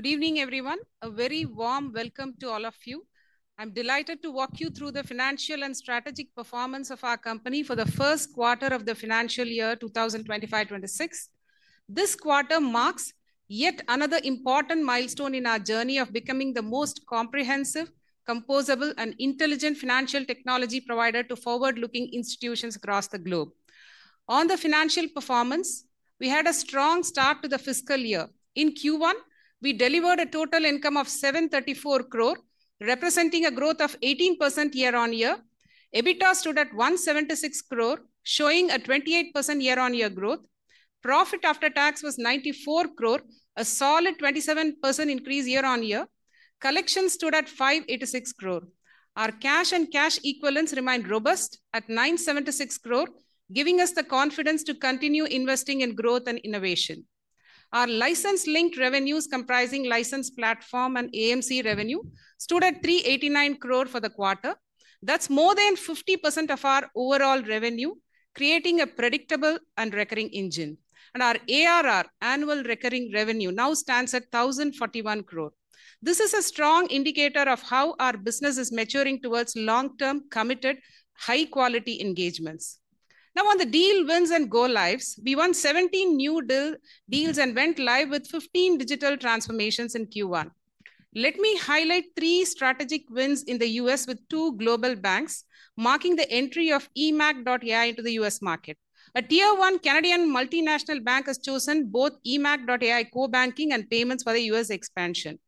Good evening everyone. A very warm welcome to all of you. I'm delighted to walk you through the financial and strategic performance of our company for the first quarter of the financial year 2025-26. This quarter marks yet another important milestone in our journey of becoming the most comprehensive, composable, and intelligent financial technology provider to forward-looking institutions across the globe. On the financial performance, we had a strong start to the fiscal year. In Q1, we delivered a total income of 734 crore, representing a growth of 18% year-on-year. EBITDA stood at 176 crore, showing a 28% year-on-year growth. Profit after tax was 94 crore, a solid 27% increase year-on-year. Collection stood at 586 crore. Our cash and cash equivalents remained robust at 976 crore, giving us the confidence to continue investing in growth and innovation. Our license-linked revenues, comprising license, platform, and AMC revenue, stood at 389 crore for the quarter. That's more than 50% of our overall revenue, creating a predictable and recurring engine, and our ARR (annual recurring revenue) now stands at 1,041 crore. This is a strong indicator of how our business is maturing towards long-term committed high-quality engagements. Now on the deal wins and go-lives, we won 17 new deals and went live with 15 digital transformations in Q1. Let me highlight three strategic wins in the U.S. with two global banks, marking the entry of eMACH.ai into the U.S. market. A Tier 1 Canadian multinational bank has chosen both eMACH.ai Core Banking and Payments for the U.S. expansion.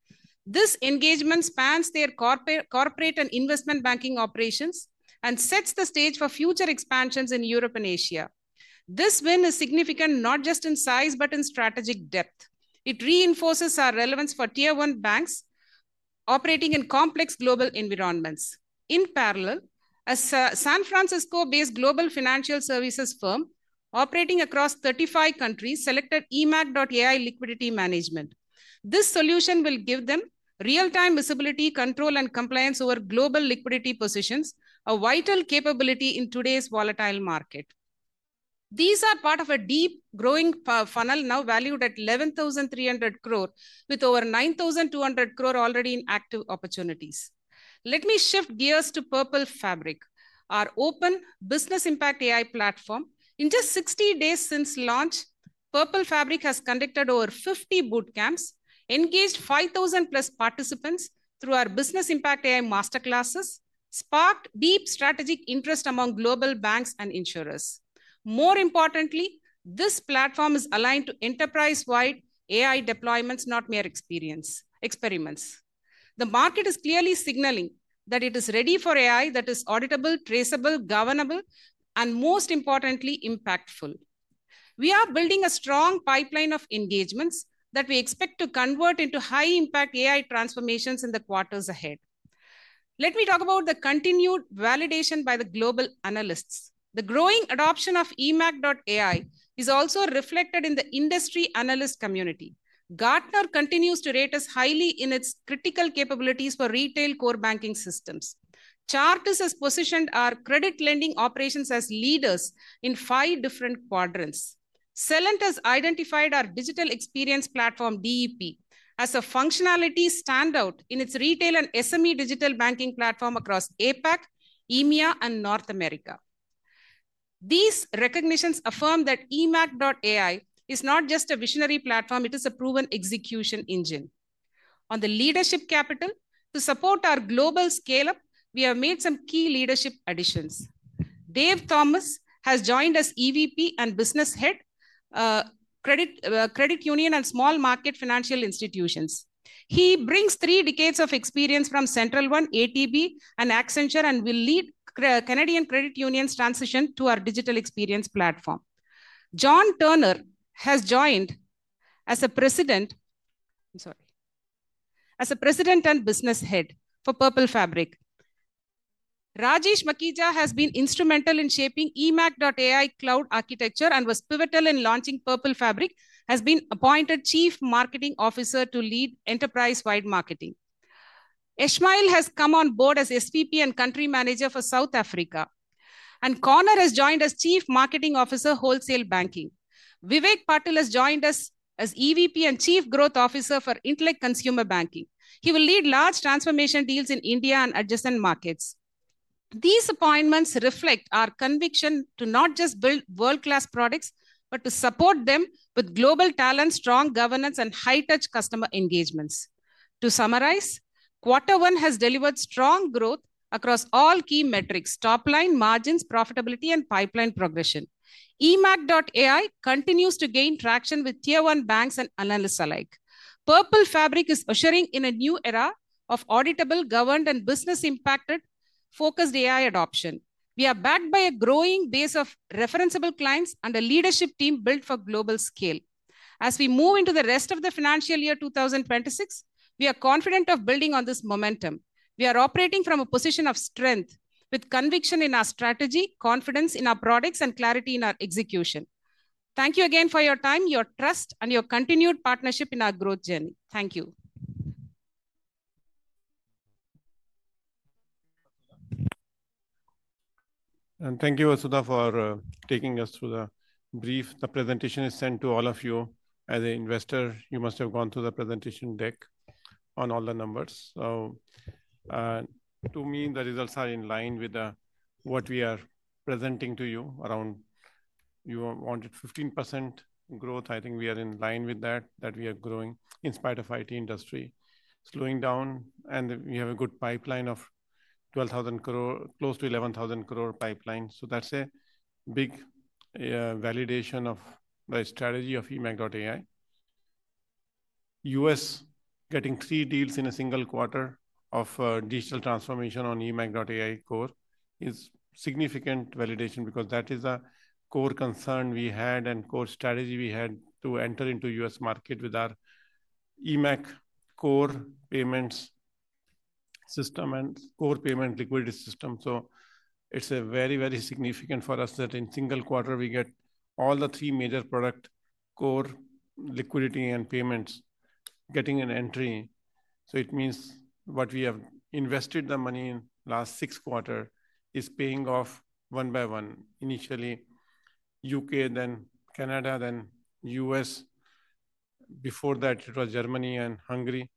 This engagement spans their corporate and investment banking operations and sets the stage for future expansions in Europe and Asia. This win is significant not just in size but in strategic depth. It reinforces our relevance for Tier 1 banks operating in complex global environments. In parallel, a San Francisco-based global financial services firm operating across 35 countries selected eMACH.ai Liquidity Management. This solution will give them real-time visibility, control, and compliance over global liquidity positions, a vital capability in today's volatile market. These are part of a deep, growing funnel now valued at 11,300 crore, with over 9,200 crore already in active opportunities. Let me shift gears to Purple Fabric, our open business impact AI platform. In just 60 days since launch, Purple Fabric has conducted over 50 bootcamps, engaged 5,000+ particpants through our business impact AI masterclasses, and sparked deep strategic interest among global banks and insurers. More importantly, this platform is aligned to enterprise-wide AI deployments, not mere experiments. The market is clearly signaling that it is ready for AI that is auditable, traceable, governable, and most importantly impactful. We are building a strong pipeline of engagements that we expect to convert into high-impact AI transformations in the quarters ahead. Let me talk about the continued validation by the global analysts. The growing adoption of EMACH.ai is also reflected in the industry analyst community. Gartner continues to rate us highly in its critical capabilities for retail core banking systems. Chartis has positioned our credit lending operations as leaders in five different quadrants. Celent has identified our Digital Engagement Platform as a functionality standout in its retail and SME digital banking platform across APAC, EMEA, and North America. These recognitions affirm that EMACH.ai is not just a visionary platform, it is a proven execution engine. On the leadership capital to support our global scale up, we have made some key leadership additions. Dave Thomas has joined us as EVP and Business Head, Credit, Credit Union and Small Market Financial Institutions. He brings three decades of experience from Central One, ATB, and Accenture and will lead Canadian Credit Union's transition to our Digital Engagement Platform. John Turner has joined as President and Business Head for Purple Fabric. Rajesh Makija has been instrumental in shaping EMACH.ai cloud architecture and was pivotal in launching Purple Fabric and has been appointed Chief Marketing Officer to lead enterprise wide marketing. Ishmael has come on board as SVP and Country Manager for South Africa, and Connor has joined as Chief Marketing Officer, Wholesale Banking. Vivek Patil has joined us as EVP and Chief Growth Officer for Intellect Consumer Banking. He will lead large transformation deals in India and adjacent markets. These appointments reflect our conviction to not just build world class products but to support them with global talent, strong governance, and high touch customer engagements. To summarize, quarter one has delivered strong growth across all key metrics: top line, margins, profitability, and pipeline progression. eMACH.ai continues to gain traction with Tier 1 banks and analysts alike. Purple Fabric is ushering in a new era of auditable, governed, and business impact-focused AI adoption. We are backed by a growing base of referenceable clients and a leadership team built for global scale. As we move into the rest of the financial year 2026, we are confident of building on this momentum. We are operating from a position of strength with conviction in our strategy, confidence in our products, and clarity in our execution. Thank you again for your time, your trust, and your continued partnership in our growth journey. Thank you. Thank you, Vasudha, for taking us through the brief. The presentation is sent to all of you. As an investor, you must have gone through the presentation deck on all the numbers. To me, the results are in line with what we are presenting to you. You wanted 15% growth. I think we are in line with that, that we are growing in spite of IT industry slowing down, and we have a good pipeline of 12,000 crore, close to 11,000 crore pipeline. That's a big validation of the strategy of eMACH.ai. U.S. getting three deals in a single quarter of digital transformation on eMACH.ai core is significant validation because that is a core concern we had and core strategy we had to enter into U.S. market with our eMACH core payments system and core payment liquidity system. It's very, very significant for us that in a single quarter we get all the three major product core liquidity and payments getting an entry. It means what we have invested the money in last six quarters is paying off one by one. Initially U.K., then Canada, then U.S. Before that it was Germany and Hungary.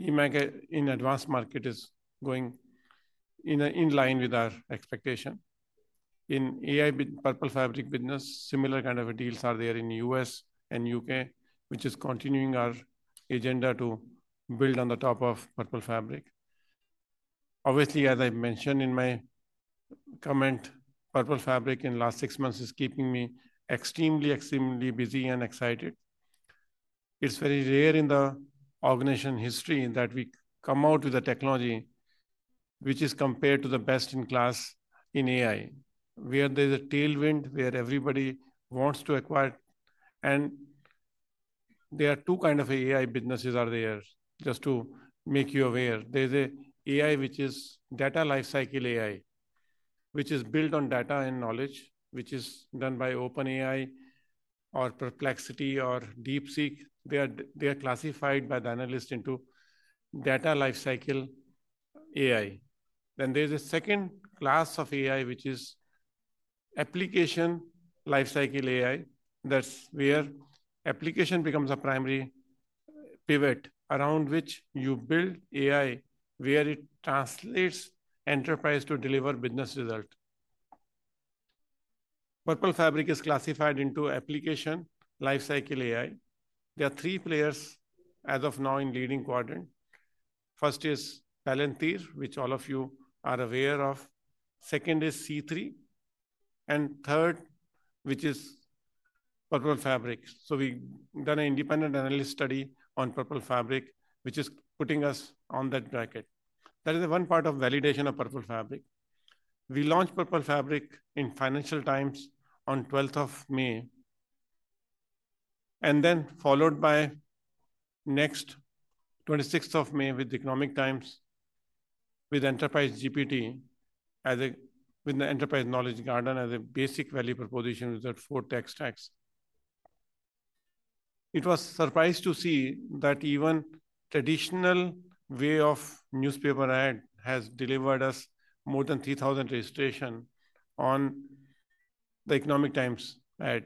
In advanced market, it is going in line with our expectation in AI Purple Fabric business. Similar kind of deals are there in U.S. and U.K., which is continuing our agenda to build on the top of Purple Fabric. Obviously, as I mentioned in my comment, Purple Fabric in last six months is keeping me extremely, extremely busy and excited. It's very rare in the organization history that we come out with a technology which is compared to the best in class in AI where there's a tailwind where everybody wants to acquire. There are two kinds of AI businesses, just to make you aware. There's an AI which is data lifecycle AI, which is built on data and knowledge, which is done by OpenAI or Perplexity or DeepSeek. They are classified by the analyst into data lifecycle AI. Then there's a second class of AI, which is application lifecycle AI. That's where application becomes a primary pivot around which you build AI, where it translates enterprise to deliver business result. Purple Fabric is classified into application lifecycle AI. There are three players as of now in leading quadrant. First is Palantir, which all of you are aware of. Second is C3, and third, which is Purple Fabric. We have done an independent analyst study on Purple Fabric, which is putting us on that bracket. That is the one part of validation of Purple Fabric. We launched Purple Fabric in Financial Times on 12th of May and then followed by next 26th of May with Economic Times, with enterprise GPT with the enterprise Knowledge Garden as a basic value proposition. With that four text tax it was surprised to see that even traditional way of newspaper ad has delivered us more than 3,000 registration on the Economic Times ad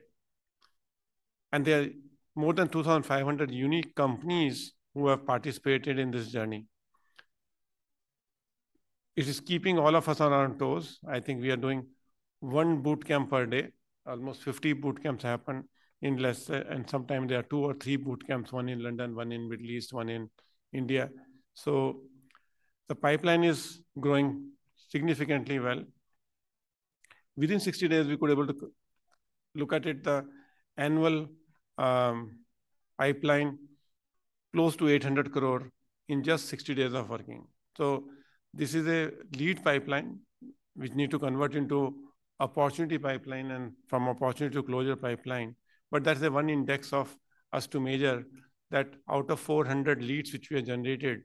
and there are more than 2,500 unique companies who have participated in this journey. It is keeping all of us on our toes. I think we are doing one boot camp per day. Almost 50 bootcamps happen in less. Sometimes there are two or three bootcamps, one in London, one in Middle East, one in India. The pipeline is growing significantly. Within 60 days we could able to look at it. The annual pipeline close to 800 crore in just 60 days of working. This is a lead pipeline which need to convert into opportunity pipeline and from opportunity to close your pipeline. That's the one index of us to measure that out of 400 leads which we have generated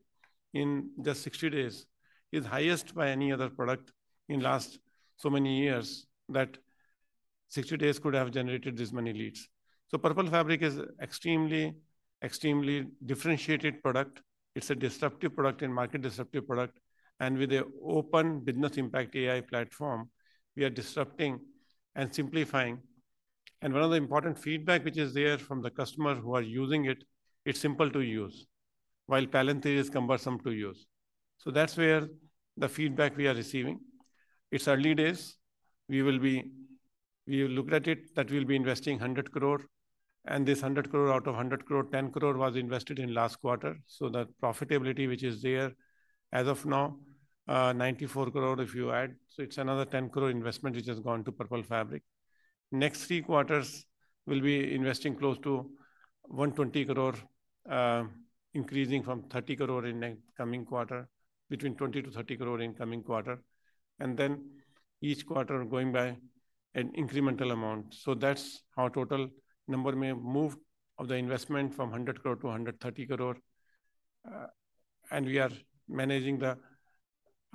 in just 60 days is highest by any other product in last so many years that 60 days could have generated this many leads. Purple Fabric is extremely, extremely differentiated product. It's a disruptive product and market disruptive product. With a open business impact AI platform we are disrupting and simplifying and one of the important feedback which is there from the customer who are using it. It's simple to use while Palantir is cumbersome to use. That's where the feedback we are receiving. It's early days we will be. We looked at it that we'll be investing 100 crore and this 100 crore. Out of 100 crore, 10 crore was invested in last quarter. The profitability which is there as of now 94 crore. If you add so it's another 10 crore investment which has gone to Purple Fabric. Next three quarters will be investing close to 120 crore increasing from 30 crore in coming quarter. Between 20-30 crore in coming quarter and then each quarter going by an incremental amount. That's how total number may move of the investment from 100 crore to 130 crore. We are managing the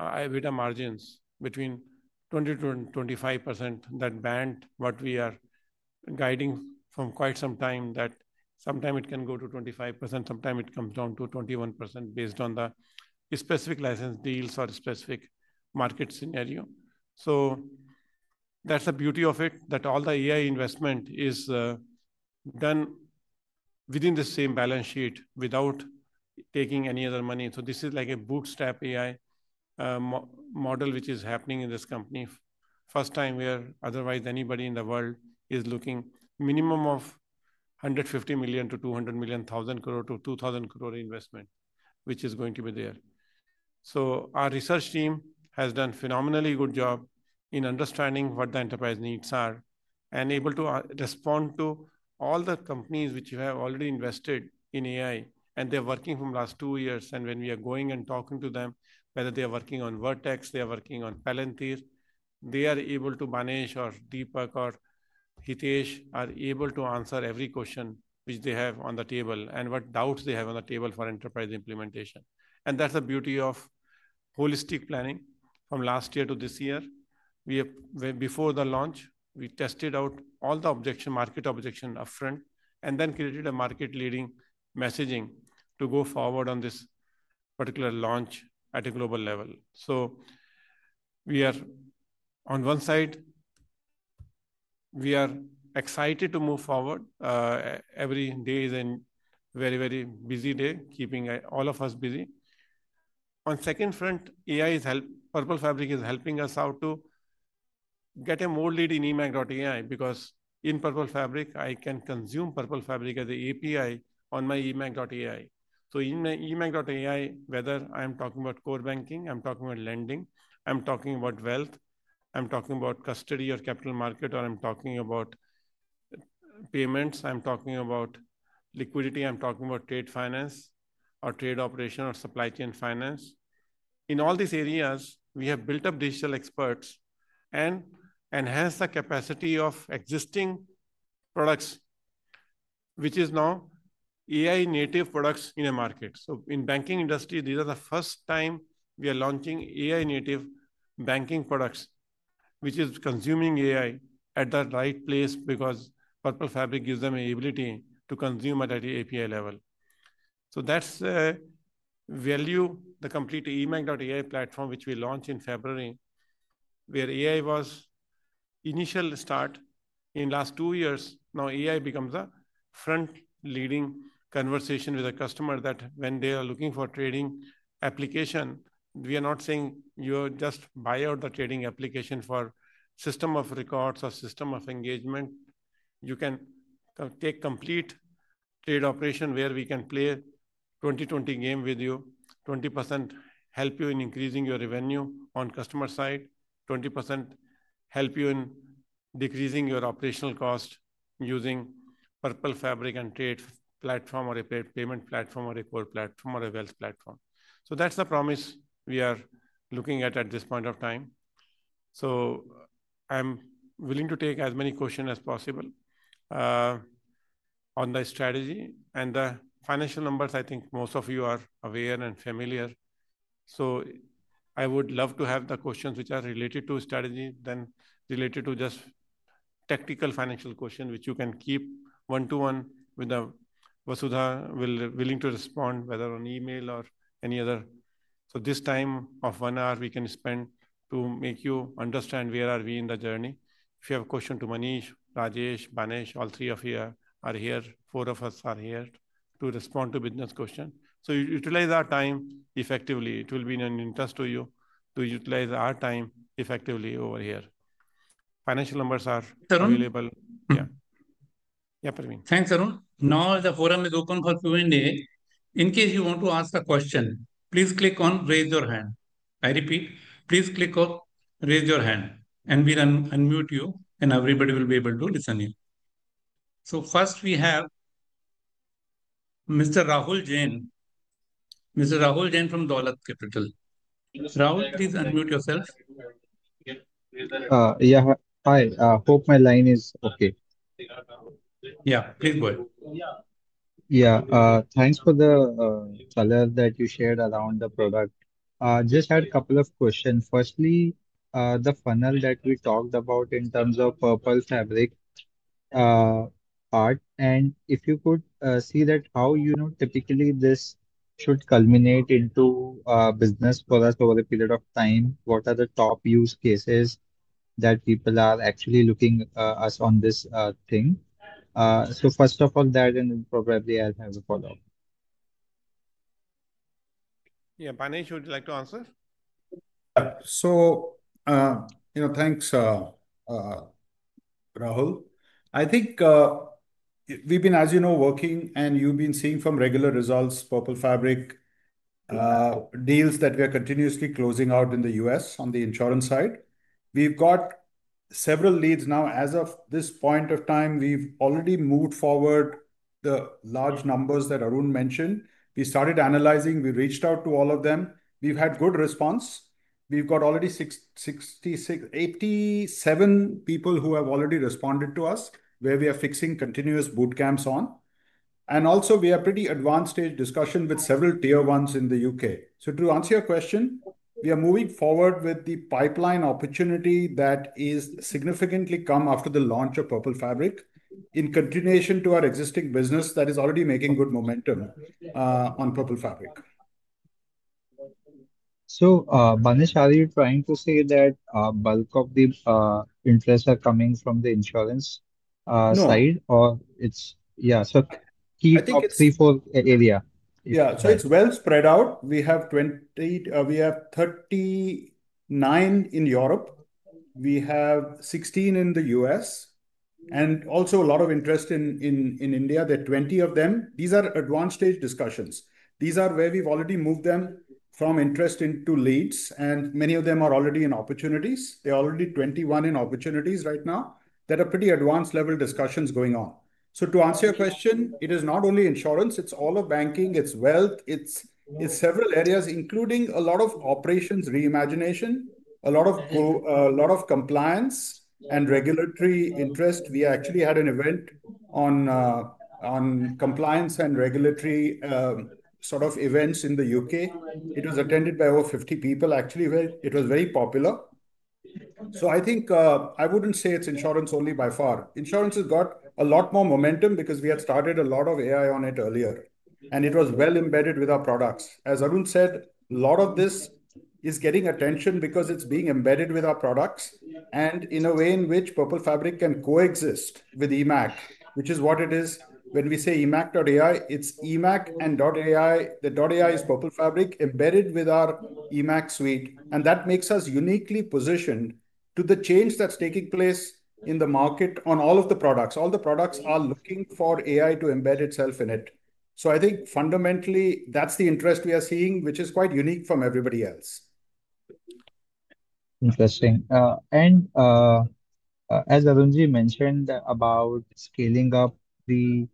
EBITDA margins between 20%-25%. That band what we are guiding from quite some time that sometime it can go to 25% sometime it comes down to 21% based on the specific license deals or specific market scenario. That's the beauty of it that all the AI investment is done within the same balance sheet without taking any other money. This is like a bootstrap AI model which is happening in this company first time where otherwise anybody in the world is looking minimum of $150 million-$200 million, 1,000 crore to 2,000 crore investment which is going to be there. Our research team has done a phenomenally good job in understanding what the enterprise needs are and able to respond to all the companies which have already invested in AI and they're working from last two years. When we are going and talking to them, whether they are working on Vertex, they are working on Palantir, they are able to, Banesh or Deepak or Hitesh, are able to answer every question which they have on the table and what doubts they have on the table for enterprise implementation. That's the beauty of holistic planning. From last year to this year, before the launch, we tested out all the market objection upfront and then created a market leading messaging to go forward on this particular launch at a global level. We are on one side, we are excited to move forward every day and very, very busy day keeping all of us busy. On second front, AI is help. Purple Fabric is helping us out to get a more lead in eMACH.ai because in Purple Fabric I can consume Purple Fabric as an API on my eMACH.ai. In eMACH.ai, whether I'm talking about core banking, I'm talking about lending, I'm talking about wealth, I'm talking about custody of capital market, or I'm talking about payments, I'm talking about liquidity, I'm talking about trade finance or trade operation or supply chain finance. In all these areas, we have built up digital experts and enhanced the capacity of existing products which is now AI native products in a market. In banking industry, these are the first time we are launching AI native banking products which is consuming AI at the right place because Purple Fabric gives them ability to consume at API level. That's value. The complete eMACH.ai platform which we launched in February where AI was initial start in last two years. Now AI becomes a front leading conversation with a customer that when they are looking for trading application. We are not saying you just buy out the trading application for system of records or system of engagement. You can take complete trade operation where we can play 20/20 game with you. 20% help you in increasing your revenue on customer side. 20% help you in decreasing your operational cost using Purple Fabric and [DEP] or a payments platform or a core platform or a wealth platform. That's the promise we are looking at at this point of time. I'm willing to take as many questions as possible on the strategy and the financial numbers. I think most of you are aware and familiar. I would love to have the questions which are related to strategy rather than just tactical financial questions, which you can keep one-to-one with Vasudha, willing to respond whether on email or any other. This time of one hour we can spend to make you understand where are we in the journey. If you have a question to Manish, Rajesh, Banesh, all three of you are here. Four of us are here to respond to business questions. You utilize our time effectively. It will be an interest to you to utilize our time effectively. Over here, financial numbers are available. Yeah, yeah, Thanks, Arun. Now the forum is open for Q&A. In case you want to ask a question, please click on raise your hand. I repeat, please click on raise your hand and we'll unmute you and everybody will be able to listen to you. First we have Mr. Rahul Jain, Mr. Rahul Jain from Dolat Capital. Rahul, please unmute yourself. Yeah, hi. I hope my line is okay. Yeah, please go ahead. Yeah, thanks for the color that you shared around the product. Just had a couple of questions. Firstly, the funnel that we talked about in terms of Purple Fabric part and if you could see that, how you know, typically this should culminate into business for us over a period of time. What are the top use cases that people are actually looking us on this thing? First of all that, and probably I'll have a follow up. Yeah, Banesh would like to answer. Thank you. Rahul. I think we've been, as you know, working and you've been seeing from regular results Purple Fabric deals that we are continuously closing out in the U.S. On the insurance side, we've got several leads now. As of this point of time, we've already moved forward. The large numbers that Arun mentioned, we started analyzing. We reached out to all of them. We've had good response. We've got already 87 people who have already responded to us, where we are fixing continuous boot camps on, and also we have pretty advanced stage discussion with several Tier 1s in the U.K. To answer your question, we are moving forward with the pipeline opportunity that has significantly come after the launch of Purple Fabric in continuation to our existing business that is already making good momentum on Purple Fabric. Are you trying to say that bulk of the interests are coming from the insurance side or it's, yeah, I think it's three, four area. Yeah. It's well spread out. We have 20, we have 39 in Europe, we have 16 in the U.S. and also a lot of interest in India. There are 20 of them. These are advanced stage discussions. These are where we've already moved them from interest into leads and many of them are already in opportunities. There are already 21 in opportunities right now that are pretty advanced level discussions going on. To answer your question, it is not only insurance, it's all of banking, it's wealth, it's several areas including a lot of operations, reimagination, a lot of compliance and regulatory interest. We actually had an event on compliance and regulatory sort of events in the U.K. It was attended by over 50 people, actually it was very popular. I wouldn't say it's insurance only. By far, insurance has got a lot more momentum because we had started a lot of AI on it earlier and it was well embedded with our products. As Arun said, a lot of this is getting attention because it's being embedded with our products and in a way in which Purple Fabric can coexist with eMACH, which is what it is when we say eMACH.ai, it's eMACH and AI. The AI is Purple Fabric embedded with our eMACH suite. That makes us uniquely positioned to the change that's taking place in the market on all of the products. All the products are looking for AI to embed itself in it. Fundamentally, that's the interest we are seeing, which is quite unique from everybody else. Interesting. As Arun Jain mentioned about scaling up the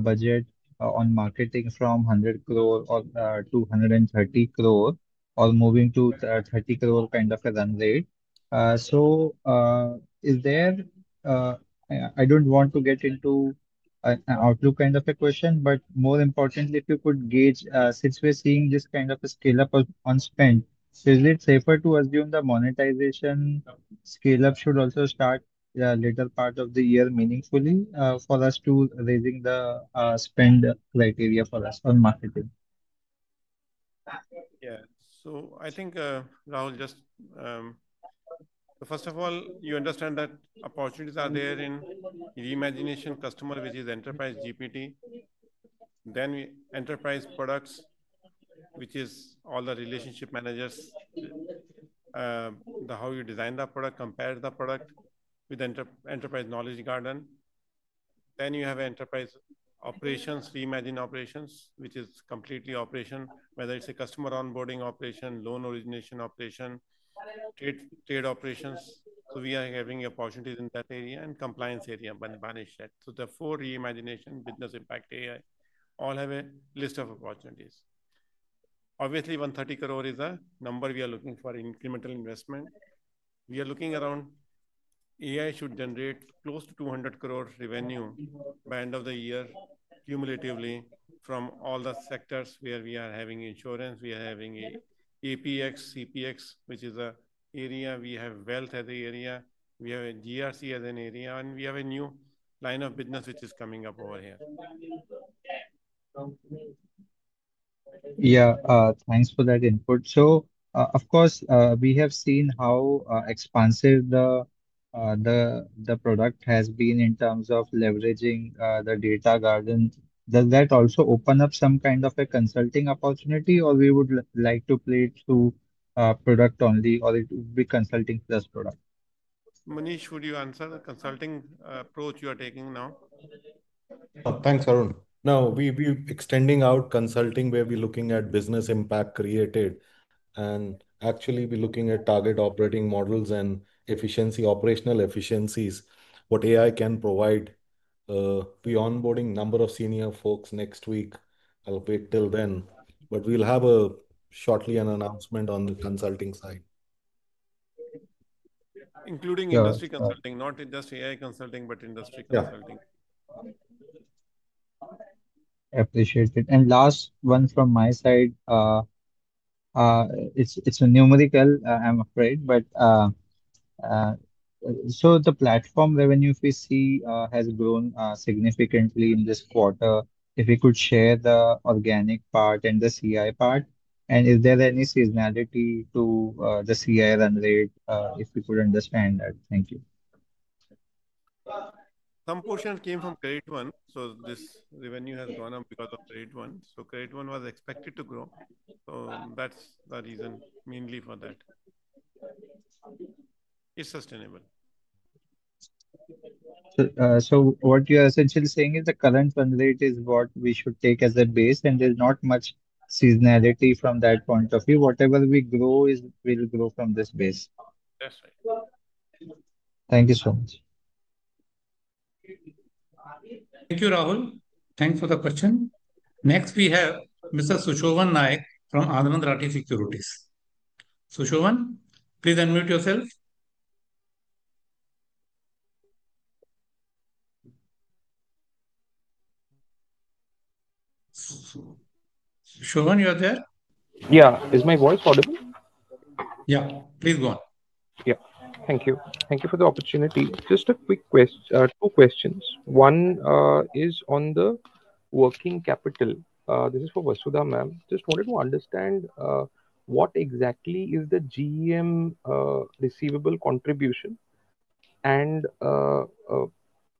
budget on marketing from 100 crore to 130 crore or moving to 30 crore kind of a runway, is there—I don't want to get into an outlook kind of a question, but more importantly, if you could gauge, since we're seeing this kind of scale up on spend, is it safer to assume the monetization scale up should also start later part of the year meaningfully for us, raising the spend criteria for us on marketing? Yeah. I think Rahul, just first of all, you understand that opportunities are there in reimagination customer, which is Enterprise GPT. Then we have enterprise products, which is all the relationship managers, how you design the product, compare the product with Enterprise Knowledge Garden. Then you have enterprise operations, reimagine operations, which is completely operation, whether it's a customer onboarding operation, loan origination operation, trade operations. We are having opportunities in that area and compliance area when banished. The four reimagination business impact AI all have a list of opportunities. Obviously, 130 crore is a number. We are looking for incremental investment. We are looking around AI should generate close to 200 crore revenue by end of the year cumulatively from all the sectors where we are having insurance, we are having APX CPX, which is an area, we have Wealth at the area, we have a GRC as an area, and we have a new line of business which is coming up over here. Yeah, thanks for that input. Of course, we have seen how expensive the product has been in terms of leveraging the enterprise knowledge garden. Does that also open up some kind of a consulting opportunity, or would we like to play it to product only, or would it be consulting plus product? Manish, would you answer the consulting approach you are taking now? Thanks, Arun. Now we will be extending our consulting where we're looking at business impact created. We're looking at target operating. Models and efficiency, operational efficiencies, what AI can provide. We are onboarding a number of senior folks next week. I'll wait till then, but we'll have shortly an announcement on the consulting side. Including industry consulting, not industry AI consulting but industry consulting. Appreciate it. Last one from my side. It's a numerical, I'm afraid. The platform revenue we see has grown significantly in this quarter. If we could share the organic part and the CI part, and is there any seasonality to the CI run rate? If we could understand that. Thank you. Some portion came from Credit One. This revenue has gone up because of Credit One. Credit One was expected to grow. That's the reason mainly for that is sustainable. What you are essentially saying is the current run rate is what we should take as a base, and there's not much seasonality from that point of view. Whatever we grow is, we'll grow from this base. That's right. Thank you so much. Thank you, Rahul. Thanks for the question. Next, we have Mr. Sushovan Nayak from Anand Rathi Securities. Sushovan, please unmute yourself. Sushan, are you there? Is my voice audible? Yeah. Please go on. Yeah. Thank you. Thank you for the opportunity. Just a quick question. Two questions. One is on the working capital. This is for Vasudha. Just wanted to understand what exactly is the GeM receivable contribution.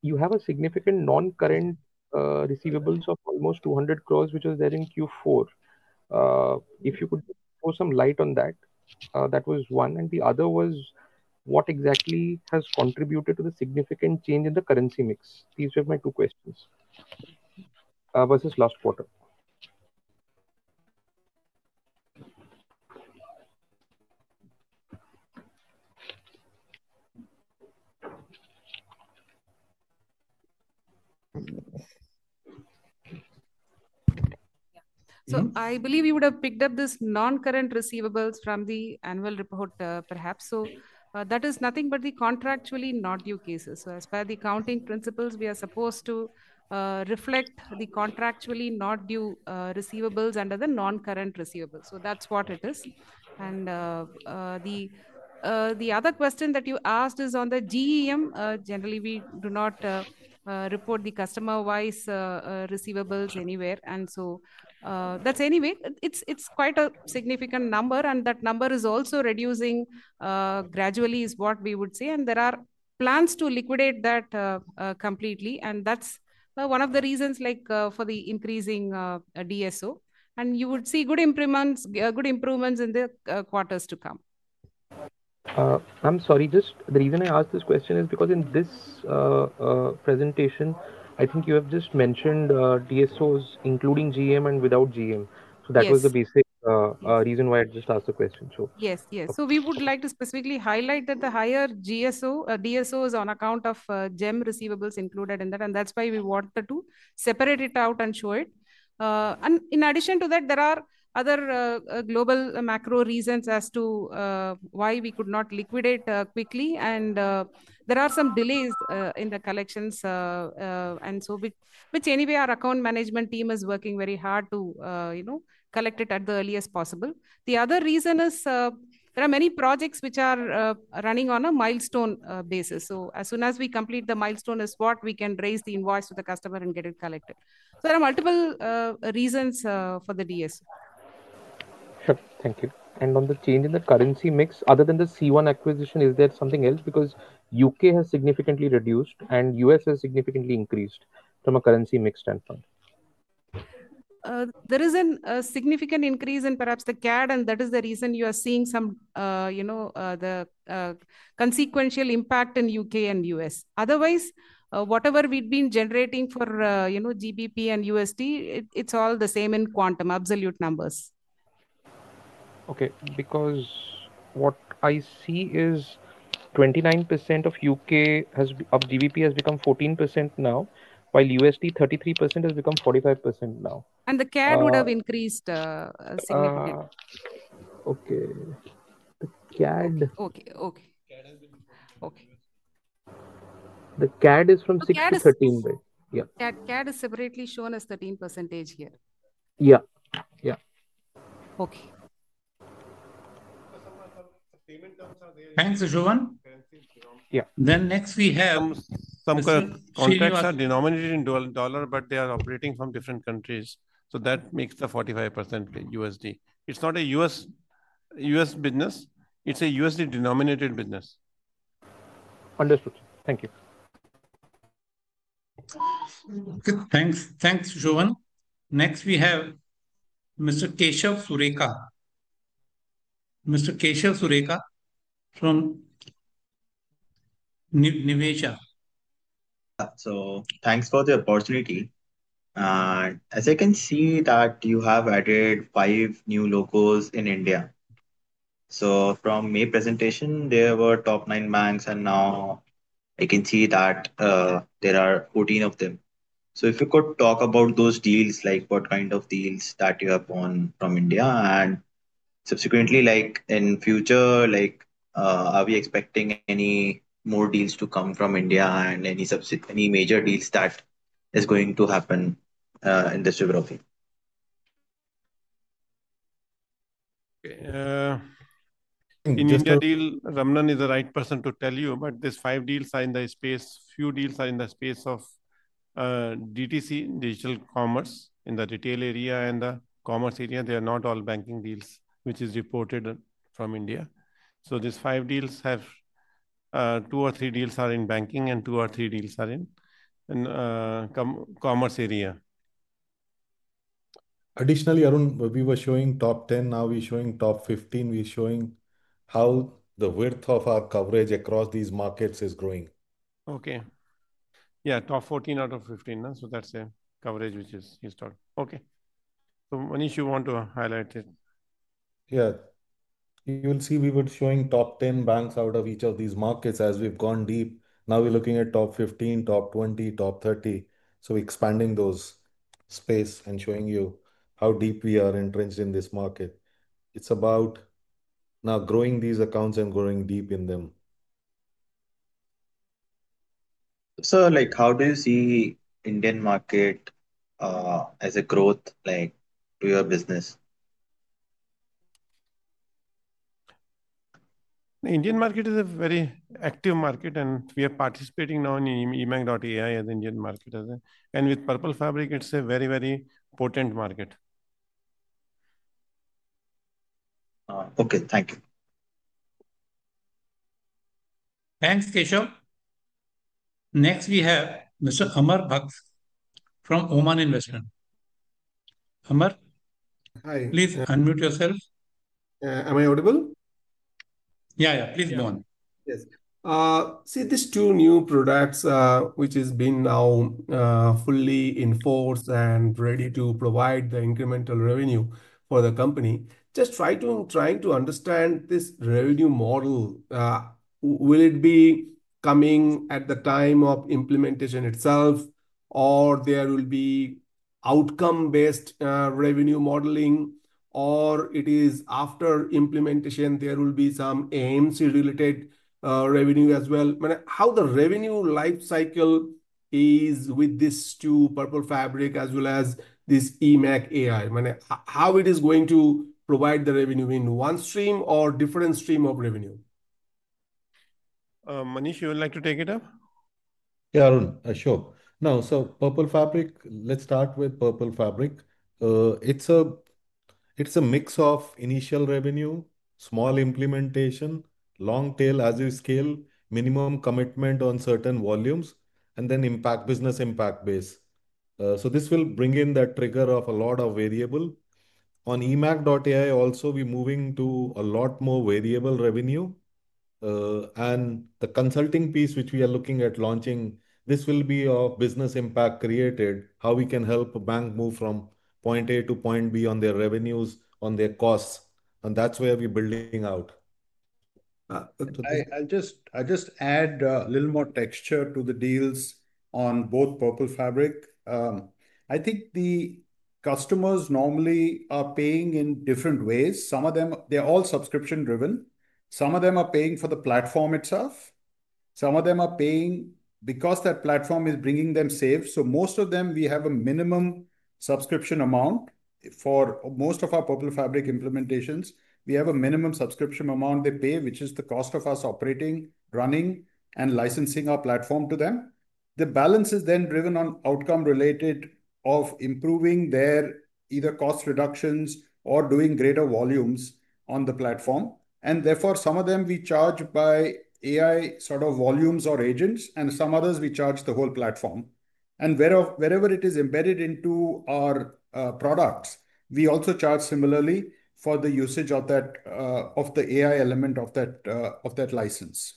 You have a significant non-current receivables of almost 200 crore which was there in Q4. If you could put some light on that. That was one. The other was what exactly has contributed to the significant change in the currency mix. These are my two questions versus last quarter. I believe you would have picked up this non current receivables from the annual report perhaps. That is nothing but the contractually not-due cases. As per the accounting principles, we are supposed to reflect the contractually not-due receivables under the non-current receivable. That's what it is. The other question that you asked is on the GeM. Generally, we do not report the customer wise receivables anywhere. It's quite a significant number, and that number is also reducing gradually is what we would say. There are plans to liquidate that completely. That's one of the reasons for the increasing DSO. You would see good improvements in the quarters to come. I'm sorry, just the reason I asked this question is because in this presentation I think you have just mentioned DSOs, including GeM and without GeM. That was the basic reason why I just asked the question. Yes, yes. We would like to specifically highlight that the higher GSO DSOs are on account of GeM receiver included in that. That is why we wanted to separate it out and show it. In addition to that, there are other global macro reasons as to why we could not liquidate quickly. There are some delays in the collections, which our account management team is working very hard to collect at the earliest possible. The other reason is there are many projects which are running on a milestone basis. As soon as we complete the milestone spot, we can raise the invoice to the customer and get it collected. There are multiple reasons for the DSOs. Sure. Thank you. On the change in the currency mix, other than the C1 acquisition, is there something else? U.K. has significantly reduced and U.S. has significantly increased from a currency mix standpoint. There is a significant increase in perhaps the CAD. That is the reason you are seeing some, you know, the consequential impact in U.K. and U.S. Otherwise, whatever we'd been generating for, you know, GBP and USD, it's all the same in quantum, absolute numbers. Okay. Because what I see is 29% of GBP has become 14% now, while USD 33% has become 45% now. The CAD would have increased significantly. Okay. The CAD. Okay, okay. Okay. The CAD is from $6 to $13. Yeah. CAD. CAD is separately shown as 13% here. Yeah. Yeah. Okay. Thanks Sushovan. Yeah. Some contracts are denominated in dollars, but they are operating from different countries. That makes the 45% USD. It's not a U.S. business, it's a USD-denominated business. Understood. Thank you. Okay, thanks. Thanks, Sushovan. Next, we have Mr. Keshav Surekha from Niveshaay. Thank you for the opportunity. As you can see, you have added five new logos in India. From my presentation, there were top nine banks and now I can see that there are 14 of them. If you could talk about those deals, like what kind of deals are starting up from India and subsequently, in the future, are we expecting any more deals to come from India and any major deals that are going to happen in this geography. In India deal. Ramanan is the right person to tell you, but these five deals are in the space. Few deals are in the space of DTC, Digital Commerce in the retail area and the commerce area. They are not all banking deals, which is reported from India. These five deals have two or three deals in banking and two or three deals in commerce area. Additionally, Arun, we were showing top 10. Now we're showing top 15. We're showing how the width of our coverage across these markets is growing. Okay, yeah, top 14 out of 15. That's a coverage which is historic. Okay. Manish, you want to highlight it here. You will see we were showing top 10 banks out of each of these markets as we've gone deep. Now we're looking at top 15, top 20, top 30. Expanding those space and showing you how deep we are entrenched in this market. It's about now growing these accounts and growing deep in them. How do you see Indian market as a growth like to your business? The Indian market is a very active market and we are participating now in eMACH.ai as Indian market. With Purple Fabric it's a very, very potent market. Okay, thank you. Thanks, Keshav. Next, we have Mr. Amar Bakth from Oman Investment. Amar. Hi. Please unmute yourself. Am I audible? Yeah, yeah. Please go on. Yes. See these two new products which have been now fully enforced and ready to provide the incremental revenue for the company. Just trying to understand this revenue model. Will it be coming at the time of implementation itself, or there will be outcome-based revenue modeling, or is it after implementation there will be some AMC-related revenue as well? How the revenue life cycle is with these two, Purple Fabric as well as this eMACH.ai. How is it going to provide the revenue in one stream or different streams of revenue? Manish, you would like to take it up? Yeah. Arun. Sure. Now, Purple Fabric. Let's start with Purple Fabric. It's a mix of initial revenue, small. Implementation, long tail as you scale, minimum commitment on certain volumes, and then impact, business impact base. This will bring in that trigger. Of a lot of variable on eMACH.ai. Also, we're moving to a lot more. Variable revenue and the consulting piece, which. We are looking at launching this will. Be a business impact created how we. Can help a bank move from point A to point B on their revenues, on their costs. That's where we're building out. I'll just add a little more texture to the deals on both Purple Fabric. I think the customers normally are paying in different ways. Some of them, they're all subscription driven, some of them are paying for the platform itself. Some of them are paying because that platform is bringing them safe. Most of them, we have a minimum subscription amount. For most of our Purple Fabric implementations, we have a minimum subscription amount they pay, which is the cost of us operating, running, and licensing our platform to them. The balance is then driven on outcome related of improving their either cost reductions or doing greater volumes on the platform. Therefore, some of them we charge by AI sort of volumes or agents, and some others we charge the whole platform. Wherever it is embedded into our products, we also charge similarly for the usage of that, of the AI element of that, of that license.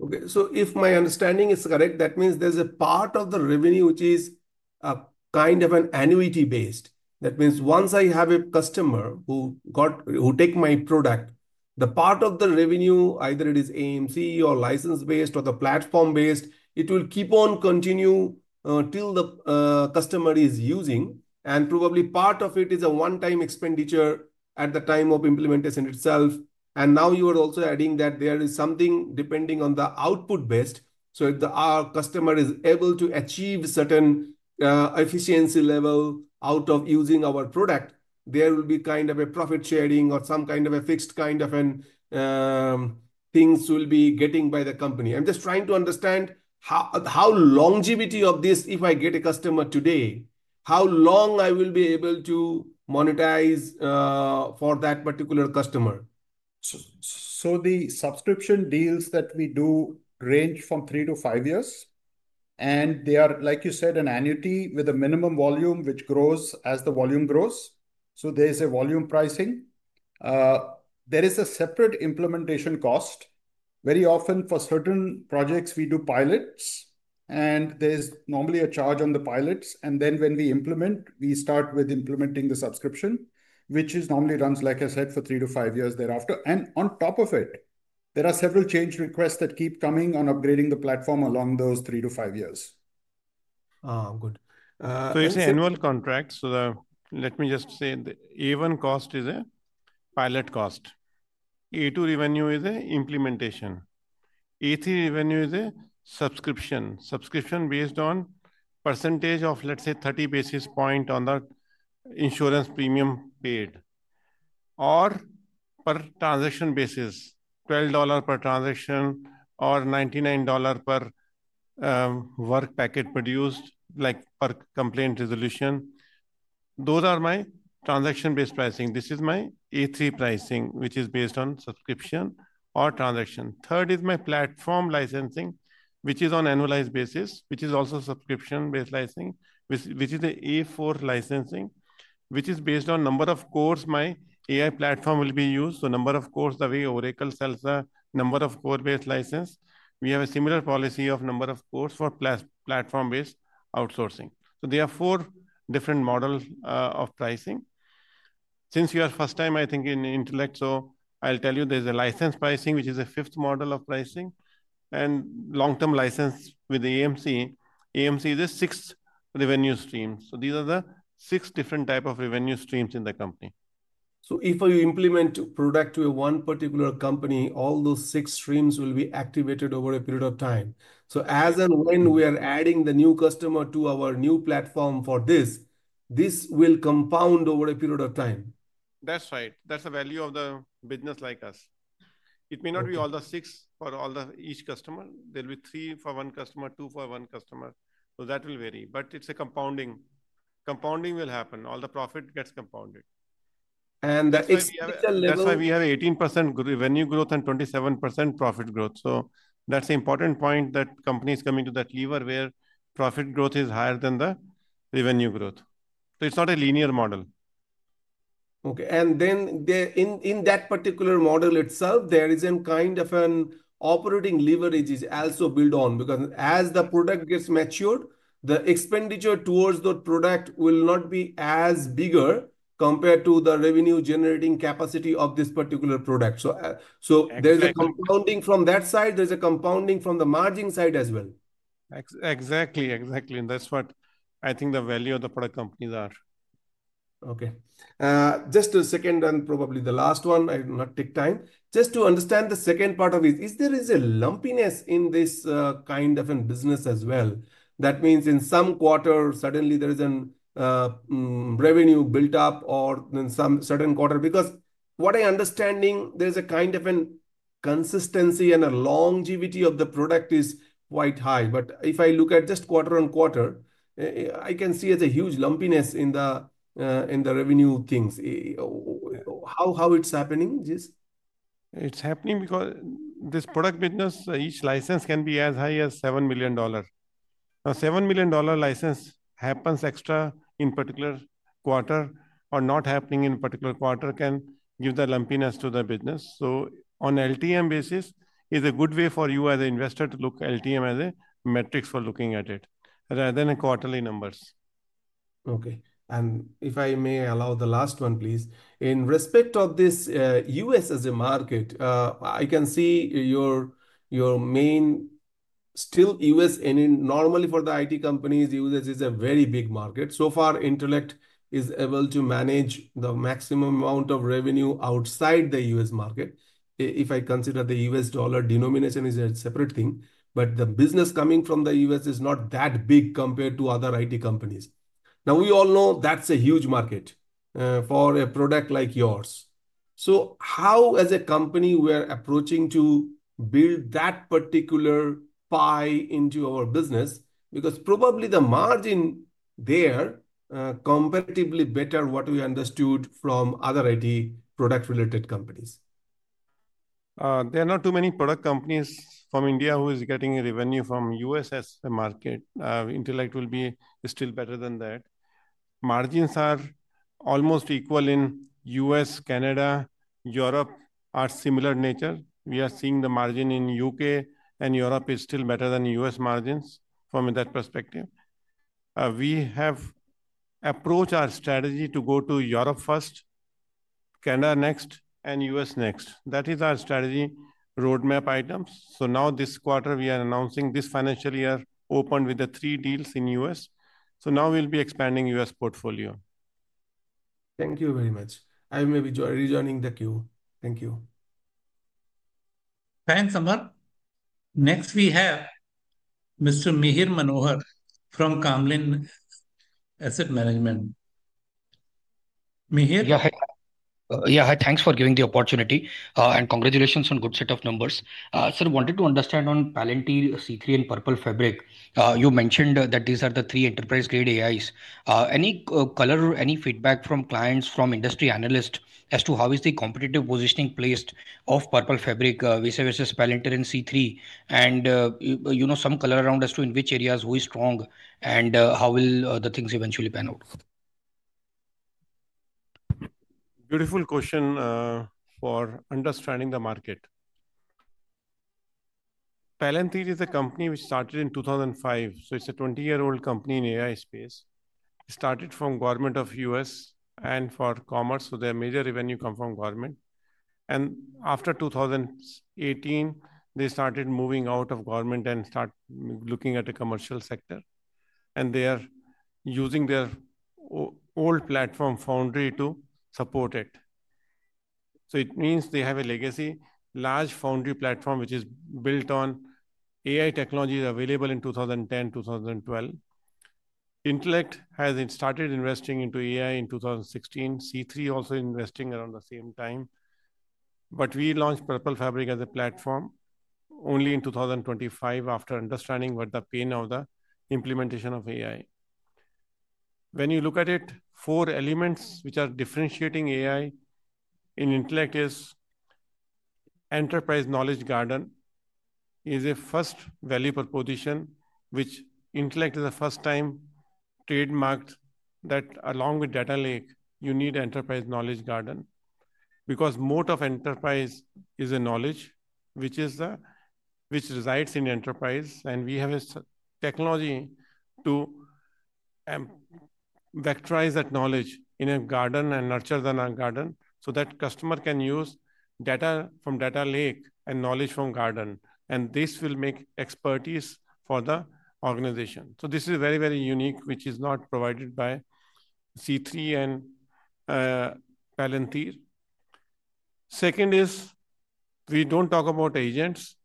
Okay, so if my understanding is correct, that means there's a part of the revenue which is a kind of an annuity-based. That means once I have a customer who takes my product, the part of the revenue, either it is AMC or license based or the platform based, it will keep on continuing till the customer is using. Probably part of it is a one-time expenditure at the time of implementation itself. Now you are also adding that there is something depending on the output based, so the customer is able to achieve certain efficiency level out of using our product. There will be kind of a profit sharing or some kind of a fixed kind of things will be getting by the company. I'm just trying to understand how longevity of this, if I get a customer today, how long I will be able to monetize for that particular customer. The subscription deals that we do range from three to five years. They are, like you said, an annuity with a minimum volume which grows as the volume grows. There is a volume pricing, there is a separate implementation cost. Very often for certain projects we do pilots and there's normally a charge on the pilots. When we implement, we start with implementing the subscription which normally runs, like I said, for three to five years thereafter. On top of it, there are several change requests that keep coming on upgrading the platform along those three to five years. Ah good. It's an annual contract. Let me just say the A1 cost is a pilot cost. A2 revenue is implementation. A3 revenue is a subscription based on percentage of, let's say, 30 basis points on the insurance premium paid or per transaction basis. $12 per transaction or $99 per work packet produced, like per complaint resolution. Those are my transaction-based pricing. This is my A3 pricing, which is based on subscription or transaction. Third is my platform licensing, which is on an annualized basis, which is also subscription-based licensing, which is A4 licensing, based on number of cores. My AI platform will be used, so number of cores, the way Oracle sells the number of core-based license. We have a similar policy of number of cores for Purple Fabric platform-based outsourcing. There are four different models of pricing. Since you are first time, I think, in Intellect Design Arena, I'll tell you there's a license pricing, which is a fifth model of pricing, and long-term license with AMC, AMC the sixth revenue stream. These are the six different types of revenue streams in the company. If you implement product to one particular company, all those six streams will be activated over a period of time. As and when we are adding the new customer to our new platform for this, this will compound over a period of time? That's right. That's the value of the business. Like us, it may not be all the six for each customer. There'll be three for one customer, two for one customer. That will vary, but it's a compounding. Compounding will happen. All the profit gets compounded. That is why we have 18% revenue growth and 27% profit growth. That's an important point, that companies come into that lever where profit growth is higher than the revenue growth. It's not a linear model. In that particular model itself, there is a kind of an operating leverage also built on, because as the product gets matured, the expenditure towards the product will not be as big compared to the revenue-generating capacity of this particular product. There's a compounding from that side, there's a compounding from the margin side as well. Exactly, exactly. That's what I think the value of the product companies are. Okay, just a second, and probably the last one, I will not take time just to understand the second part of it. If there is a lumpiness in this kind of a business as well, that means in some quarter suddenly there is a revenue built up or in some certain quarter because what I understanding there's a kind of a consistency and a longevity of the product is quite high. If I look at just quarter on quarter I can see as a huge lumpiness in the revenue things how it's happening. It's happening because this product business each license can be as high as $7 million. Now $7 million license happens extra in particular quarter or not happening in particular quarter can give the lumpiness to the business. On LTM basis is a good way for you as an investor to look LTM as a metrics for looking at it rather than quarterly numbers. Okay. If I may allow the last one please. In respect of this U.S. as a market, I can see your main still U.S. Normally for the IT companies U.S. is a very big market. So far Intellect is able to manage the maximum amount of revenue outside the U.S. market. If I consider the U.S. dollar denomination is a separate thing. The business coming from the U.S. is not that big compared to other IT companies. We all know that's a huge market for a product like yours. How as a company we are approaching to build that particular pie into our business. Probably the margin there comparatively better. What we understood from other IT product related companies. There are not too many product companies from India who is getting revenue from U.S. as a market. Intellect will be still better than that. Margins are almost equal in U.S., Canada, Europe are similar nature. We are seeing the margin in U.K. and Europe is still better than U.S. margins. From that perspective we have approached our strategy to go to Europe first, Canada next and U.S. next. That is our strategy roadmap items. This quarter we are announcing this financial year opened with the three deals in U.S. Now we'll be expanding U.S. portfolio. Thank you very much. I may be rejoining the queue. Thank you. Thanks Amar. Next we have Mr. Mihir Manohar from Carnelian Asset Management. Hi. Thanks for giving the opportunity, and congratulations on good set of numbers. Sir. Wanted to understand on Palantir, C3, and Purple Fabric. You mentioned that these are the three enterprise-grade AIs. Any color, any feedback from clients, from industry analysts as to how is the competitive positioning placed of Purple Fabric vis-à-vis Palantir and C3, and you know, some color around as to in which areas, who is strong, and how will the things eventually pan out? Beautiful question for understanding the market. Palantir is a company which started in 2005, so it's a 20-year-old company in the AI space. Started from government of the U.S. and for commerce. Their major revenue comes from government. After 2018, they started moving out of government and started looking at the commercial sector. They are using their old platform, Foundry, to support it, so it means they have a legacy. Large Foundry platform, which is built on AI technology, is available in 2010, 2012. Intellect has started investing into AI in 2016, C3 also investing around the same time. We launched Purple Fabric as a platform only in 2025. After understanding what the pain of the implementation of AI, when you look at it, four elements which are differentiating AI in Intellect is Enterprise Knowledge. Garden is a first value proposition, which Intellect is the first time trademarked that along with Data Lake. You need Enterprise Knowledge Garden because moat of enterprise is a knowledge which is the which resides in enterprise. We have a technology to vectorize that knowledge in a garden and nurture the garden so that customer can use data from Data Lake and knowledge from garden. This will make expertise for the organization. This is very, very unique, which is not provided by C3 and Palantir. Second is we don't talk about agents.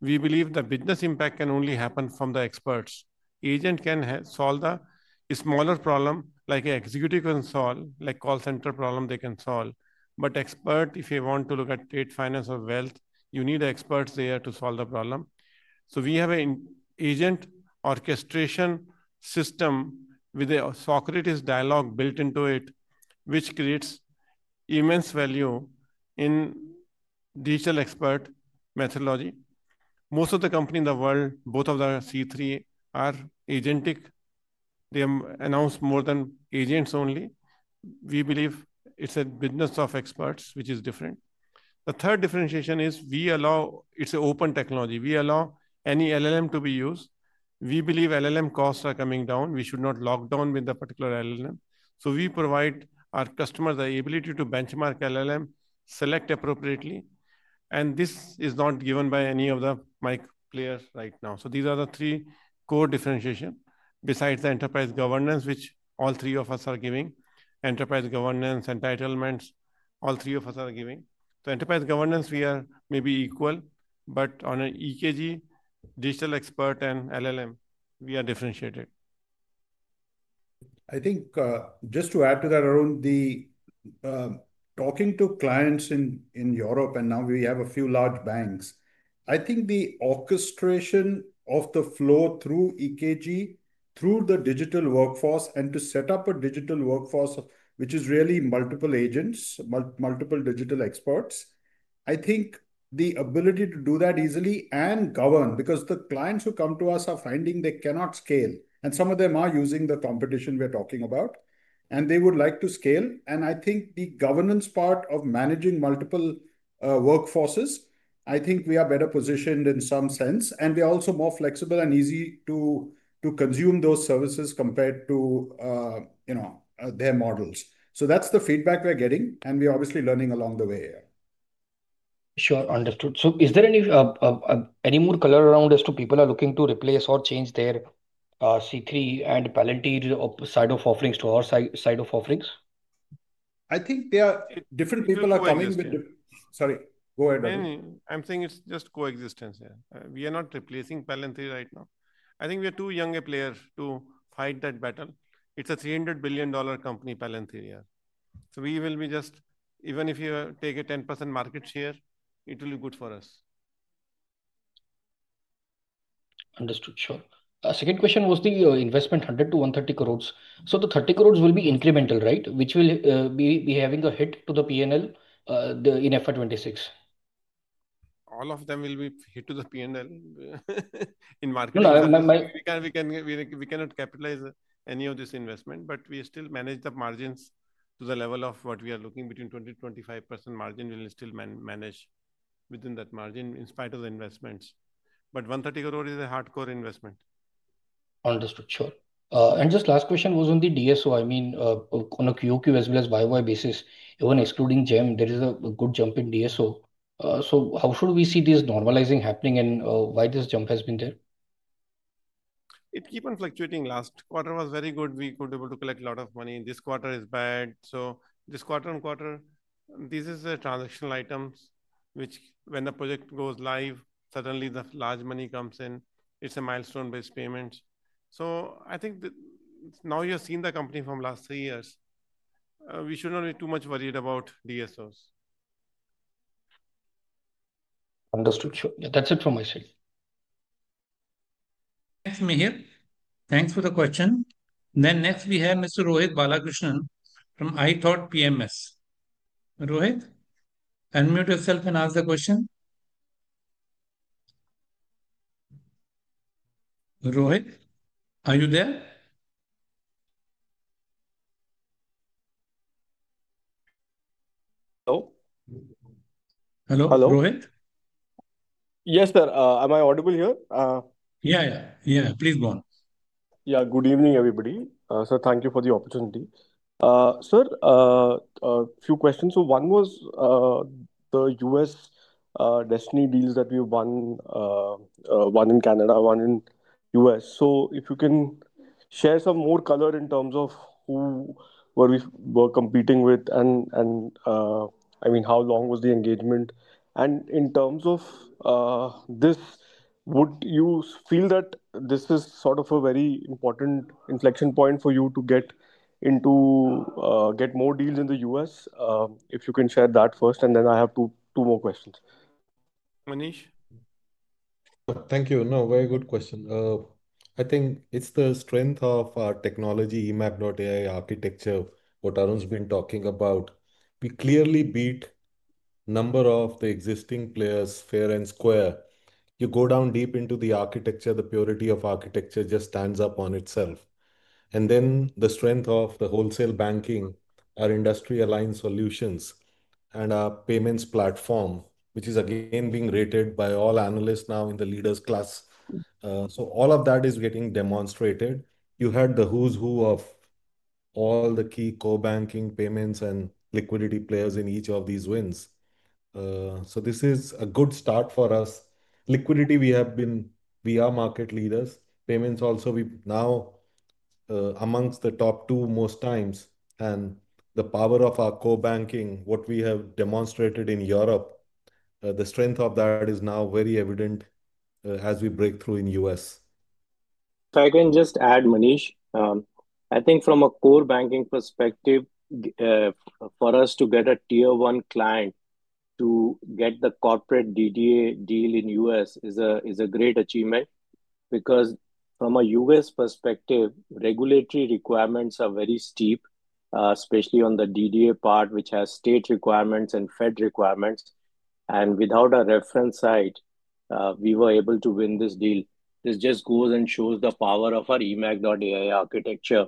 We believe the business impact can only happen from the experts. Agent can solve the smaller problem like executive console, like call center problem they can solve. Expert, if you want to look at trade, finance or wealth, you need experts there to solve the problem. We have an agent orchestration system with a Socrates dialogue built into it, which creates immense value in digital expert methodology. Most of the company in the world, both of the C3 are agentic. They announced more than agents only. We believe it's a business of experts, which is different. The third differentiation is we allow, it's an open technology, we allow any LLM to be used. We believe LLM costs are coming down, we should not lock down with the particular LLM. We provide our customers the ability to benchmark LLM, select appropriately. This is not given by any of the MIC players right now. These are the three core differentiation besides the enterprise governance, which all three of us are giving enterprise governance entitlements. All three of us are giving the enterprise governance. We are maybe equal, but on an EKG, digital expert, and LLM, we are differentiated. I think just to add to that, Arun, talking to clients in Europe and now we have a few large banks. I think the orchestration of the flow through the EKG, through the digital workforce, and to set up a digital workforce, which is really multiple agents, multiple digital experts. I think the ability to do that easily and govern, because the clients who come to us are finding they cannot scale. Some of them are using the competition we're talking about and they would like to scale. I think the governance part of managing multiple workforces, I think we are better positioned in some sense. We are also more flexible and easy to consume those services compared to their models. That's the feedback we're getting. We are obviously learning along the way. Sure. Understood. Is there any more color around as to people are looking to replace or change their C3 and Palantir side of offerings to our side of offerings? I think they are different. People are coming with different. Go ahead. I'm saying it's just coexistence here. We are not replacing Palantir right now. I think we are too young a player to fight that battle. It's a $300 billion company, Palantir. Even if you take a 10% market share it will be good for us. Understood? Sure. Second question was the investment 100-130 crores. The 30 crores will be incremental, right, which will be having a hit to the P&L in FY 2026? All of them will be hit to the P&L in market. We cannot capitalize any of this investment. We still manage the margins to the level of what we are looking. Between 20%-25% margin, we will still manage within that margin in spite of the investments. 130 crore is a hardcore investment. Understood? Sure. The last question was on the DSO. I mean on a QoQ as well as YoY basis, even excluding GeM, there is a good jump in DSO. How should we see this normalizing happening, and why has this jump been there? It keeps on fluctuating. Last quarter was very good. We could able to collect a lot of money. This quarter is bad. This is quarter on quarter. This is a transactional item which, when the project goes live, suddenly the large money comes in. It's a milestone-based payment. I think that now you've seen the company from the last three years. We should not be too much worried about DSOs. Understood. Sure, that's it for myself. Thanks for the question. Next we have Mr. Rohit Balakrishnan from ithought PMS. Rohit, unmute yourself and ask the question. Rohit, are you there? Hello. Hello. Yes, sir. Am I audible here? Yeah. Yeah, please go on. Good evening everybody. Thank you for the opportunity. Sir, a few questions. One was the U.S. Destiny deals that we won, one in Canada, one in the U.S. If you can share some more color in terms of who we were competing with, and how long was the engagement. In terms of this, would you feel that this is a very important inflection point for you to get more deals in the U.S. if you can share that first. I have two more questions. Manish Thank you. Very good question. I think it's the strength of our technology, eMACH.ai architecture, what Arun's been talking about. We clearly beat a number of the existing players fair and square. You go down deep into the architecture. The purity of architecture just stands up on itself. The strength of the wholesale. Banking, our industry-aligned solutions, and our payments platform, which is again being rated by all analysts now in the leaders class, are all getting demonstrated. You had the who's who of all. The key core banking, payments, and liquidity players in each of these wins. This is a good start for us. Liquidity, we have been, we are market leaders. Payments also, we now amongst the. Top two most times. The power of our core banking, what we have demonstrated in Europe. Strength of that is now very evident as we break through in the U.S. If I can just add Manish, I think from a core banking perspective for us to get a Tier 1 client to get the corporate DDA deal in the U.S. is a great achievement because from a U.S. perspective, regulatory requirements are very steep, especially on the DDA part, which has state requirements and Fed requirements, and without a reference site we were able to win this deal. This just goes and shows the power of our eMACH.ai architecture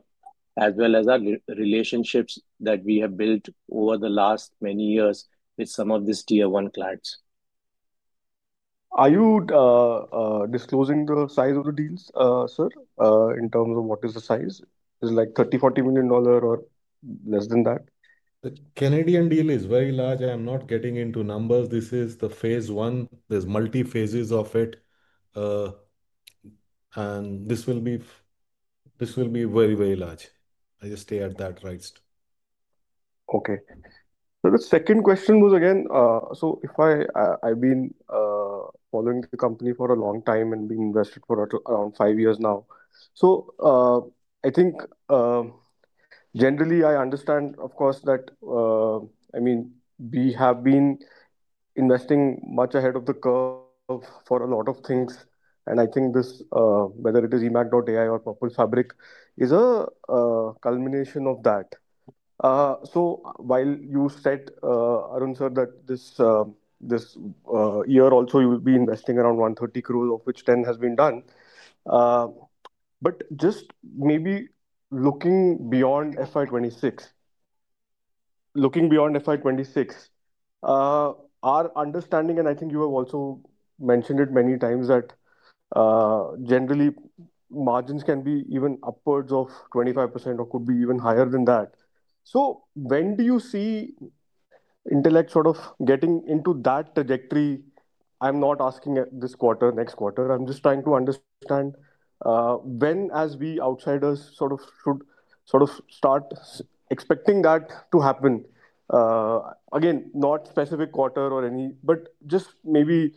as well as our relationships that we have built over the last many years with some of these Tier 1 clients. Are you disclosing the size of the deals? Sir, in terms of what is the size, is it like $30 million, $40 million, or less than that. The Canada deal is very large. I am not getting into numbers. This is the Phase I. There are multi phases of it, and this will be very, very large. I just stay at that. Right. Okay. The second question was again, if I have been following the company for a long time and being invested for around five years now, I think generally I understand, of course, that we have been investing much ahead of the curve. A lot of things, I think. This, whether it is eMACH.ai or Purple Fabric, is a culmination of that. While you said, Arun sir, that this year also you will be investing around 130 crore, of which 10 crore has been done. Maybe looking beyond FY 2026, looking beyond FY 2026, our understanding, and I think you have also mentioned it many times, is that generally margins can be even upwards of 25% or could be even higher than that. When do you see Intellect sort of getting into that trajectory? I'm not asking it this quarter or next quarter. I'm just trying to understand when we, as outsiders, should start expecting that to happen. Again, not a specific quarter or any. Would just maybe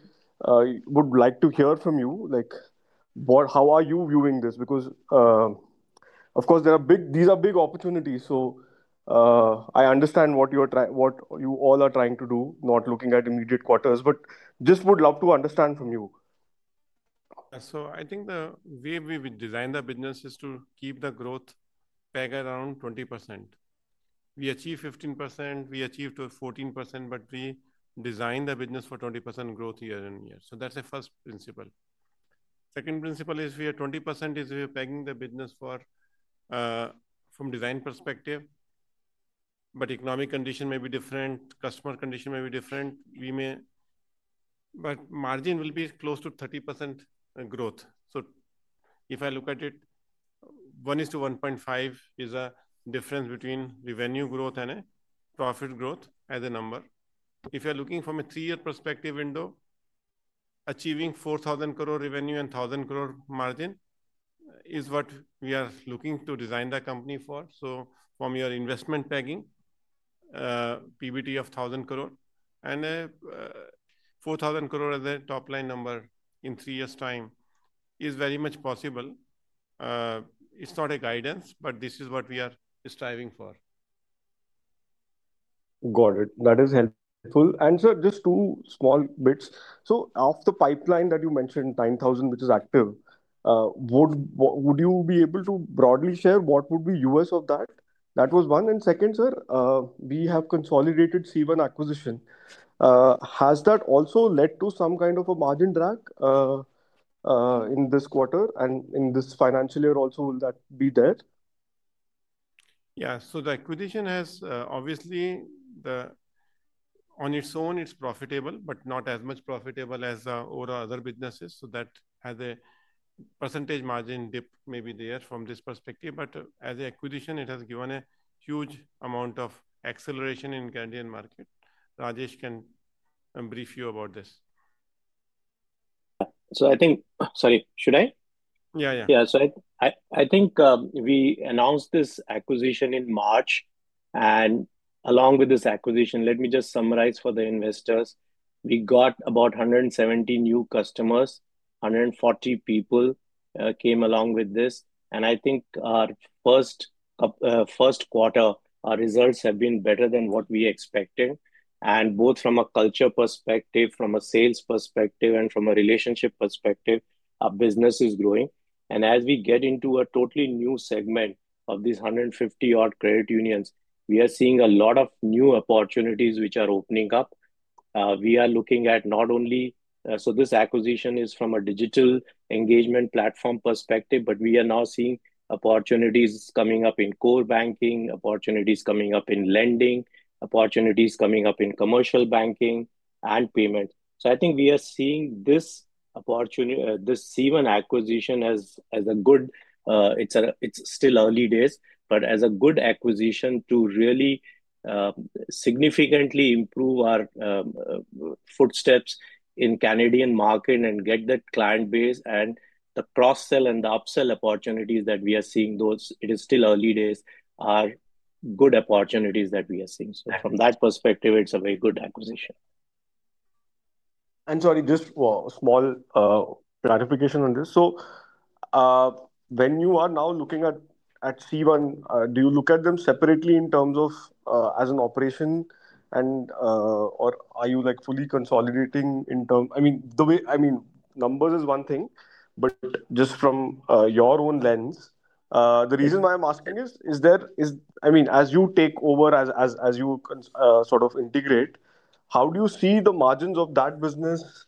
like to hear from you. How are you viewing this? Of course, these are big opportunities. I understand what you are trying, what you all are trying to do. Not looking at immediate quarters, but just would love to understand from you. I think the way we design the business is to keep the growth peg around 20%. We achieve 15%, we achieve 14%. We design the business for 20% growth year-on-year. That's the first principle. The second principle is we are 20% is pegging the business for from design perspective. Economic condition may be different. Customer condition may be different. Margin will be close to 30% growth. If I look at it, 1:1.5 is a difference between revenue growth and a profit growth. As a number, if you're looking from a three-year perspective window, achieving 4,000 crore revenue and 1,000 crore margin is what we are looking to design the company for. From your investment tagging, PBT of 1,000 crore and 4,000 crore as a top line number in three years' time is very much possible. It's not a guidance, but this is what we are striving for. Got it. That is helpful. Sir, just two small bits. Of the pipeline that you mentioned, 9,000 crore which is active, would you be able to broadly share what would be U.S. of that? That was one. Second, sir, we have consolidated C1 acquisition. Has that also led to some kind of a margin drag in this quarter and in this financial year also? Will that be there? Yeah. The acquisition has obviously on its own it's profitable, but not as much profitable as our other businesses. That as a % margin dip may be there from this perspective, but as an acquisition it has given a huge amount of acceleration in Canadian market. Rajesh can brief you about this. I think we announced this acquisition in March. Along with this acquisition, let me just summarize for the investors. We got about 170 new customers. 140 people came along with this. I think our first quarter results have been better than what we expected. Both from a culture perspective, from a sales perspective, and from a relationship perspective, our business is growing. As we get into a totally new segment of these 150-odd credit unions, we are seeing a lot of new opportunities which are opening up. We are looking at not only, so this acquisition is from a Digital Engagement Platform perspective, but we are now seeing opportunities coming up in core banking, opportunities coming up in lending, opportunities coming up in commercial banking and payments. I think we are seeing this opportunity, this C1 acquisition, as a good, it's still early days, but as a good acquisition to really significantly improve our footsteps in the Canadian market and get that client base and the cross-sell and the upsell opportunities that we are seeing. Though it is still early days, these are good opportunities that we are seeing. From that perspective, it's a very good acquisition. Sorry, just a small clarification on this. When you are now looking at C1, do you look at them separately in terms of as an operation, or are you fully consolidating in terms of, I mean, the way, I mean numbers is one thing, but just from your own lens. The reason why I'm asking is, as you take over, as you sort of integrate, how do you see the margins of that business,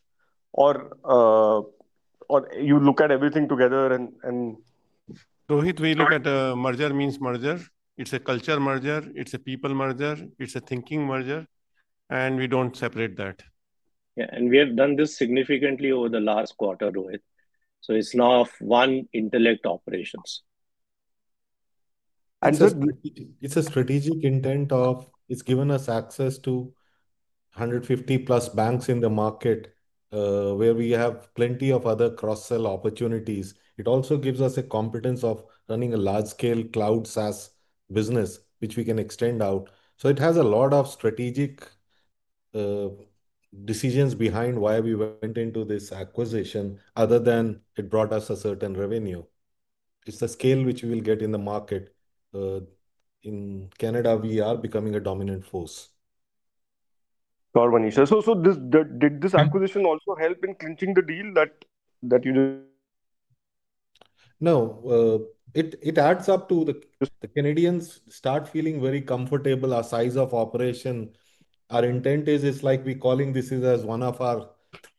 or you look at everything together. We look at a merger means merger. It's a culture merger, it's a people merger, it's a thinking merger, and we don't separate that. Yeah, we have done this significantly over the last quarter, Rohit. It's now one Intellect operations. It's a strategic intent of. It's given us access to 150+. Banks in the market where we have plenty of other cross sell opportunities. It also gives us a competence of running a large scale cloud SaaS business, which we can extend out. It has a lot of strategic. Decisions behind why we went into this. Acquisition, other than it brought us a certain revenue. It's the scale which you will get. We are in the market in Canada. Becoming a dominant force. Did this acquisition also help in clinching the deal that you just mentioned? No, it adds up to the Canada. Start feeling very comfortable. Our size of operation, our intent is like we're calling this as one of. Our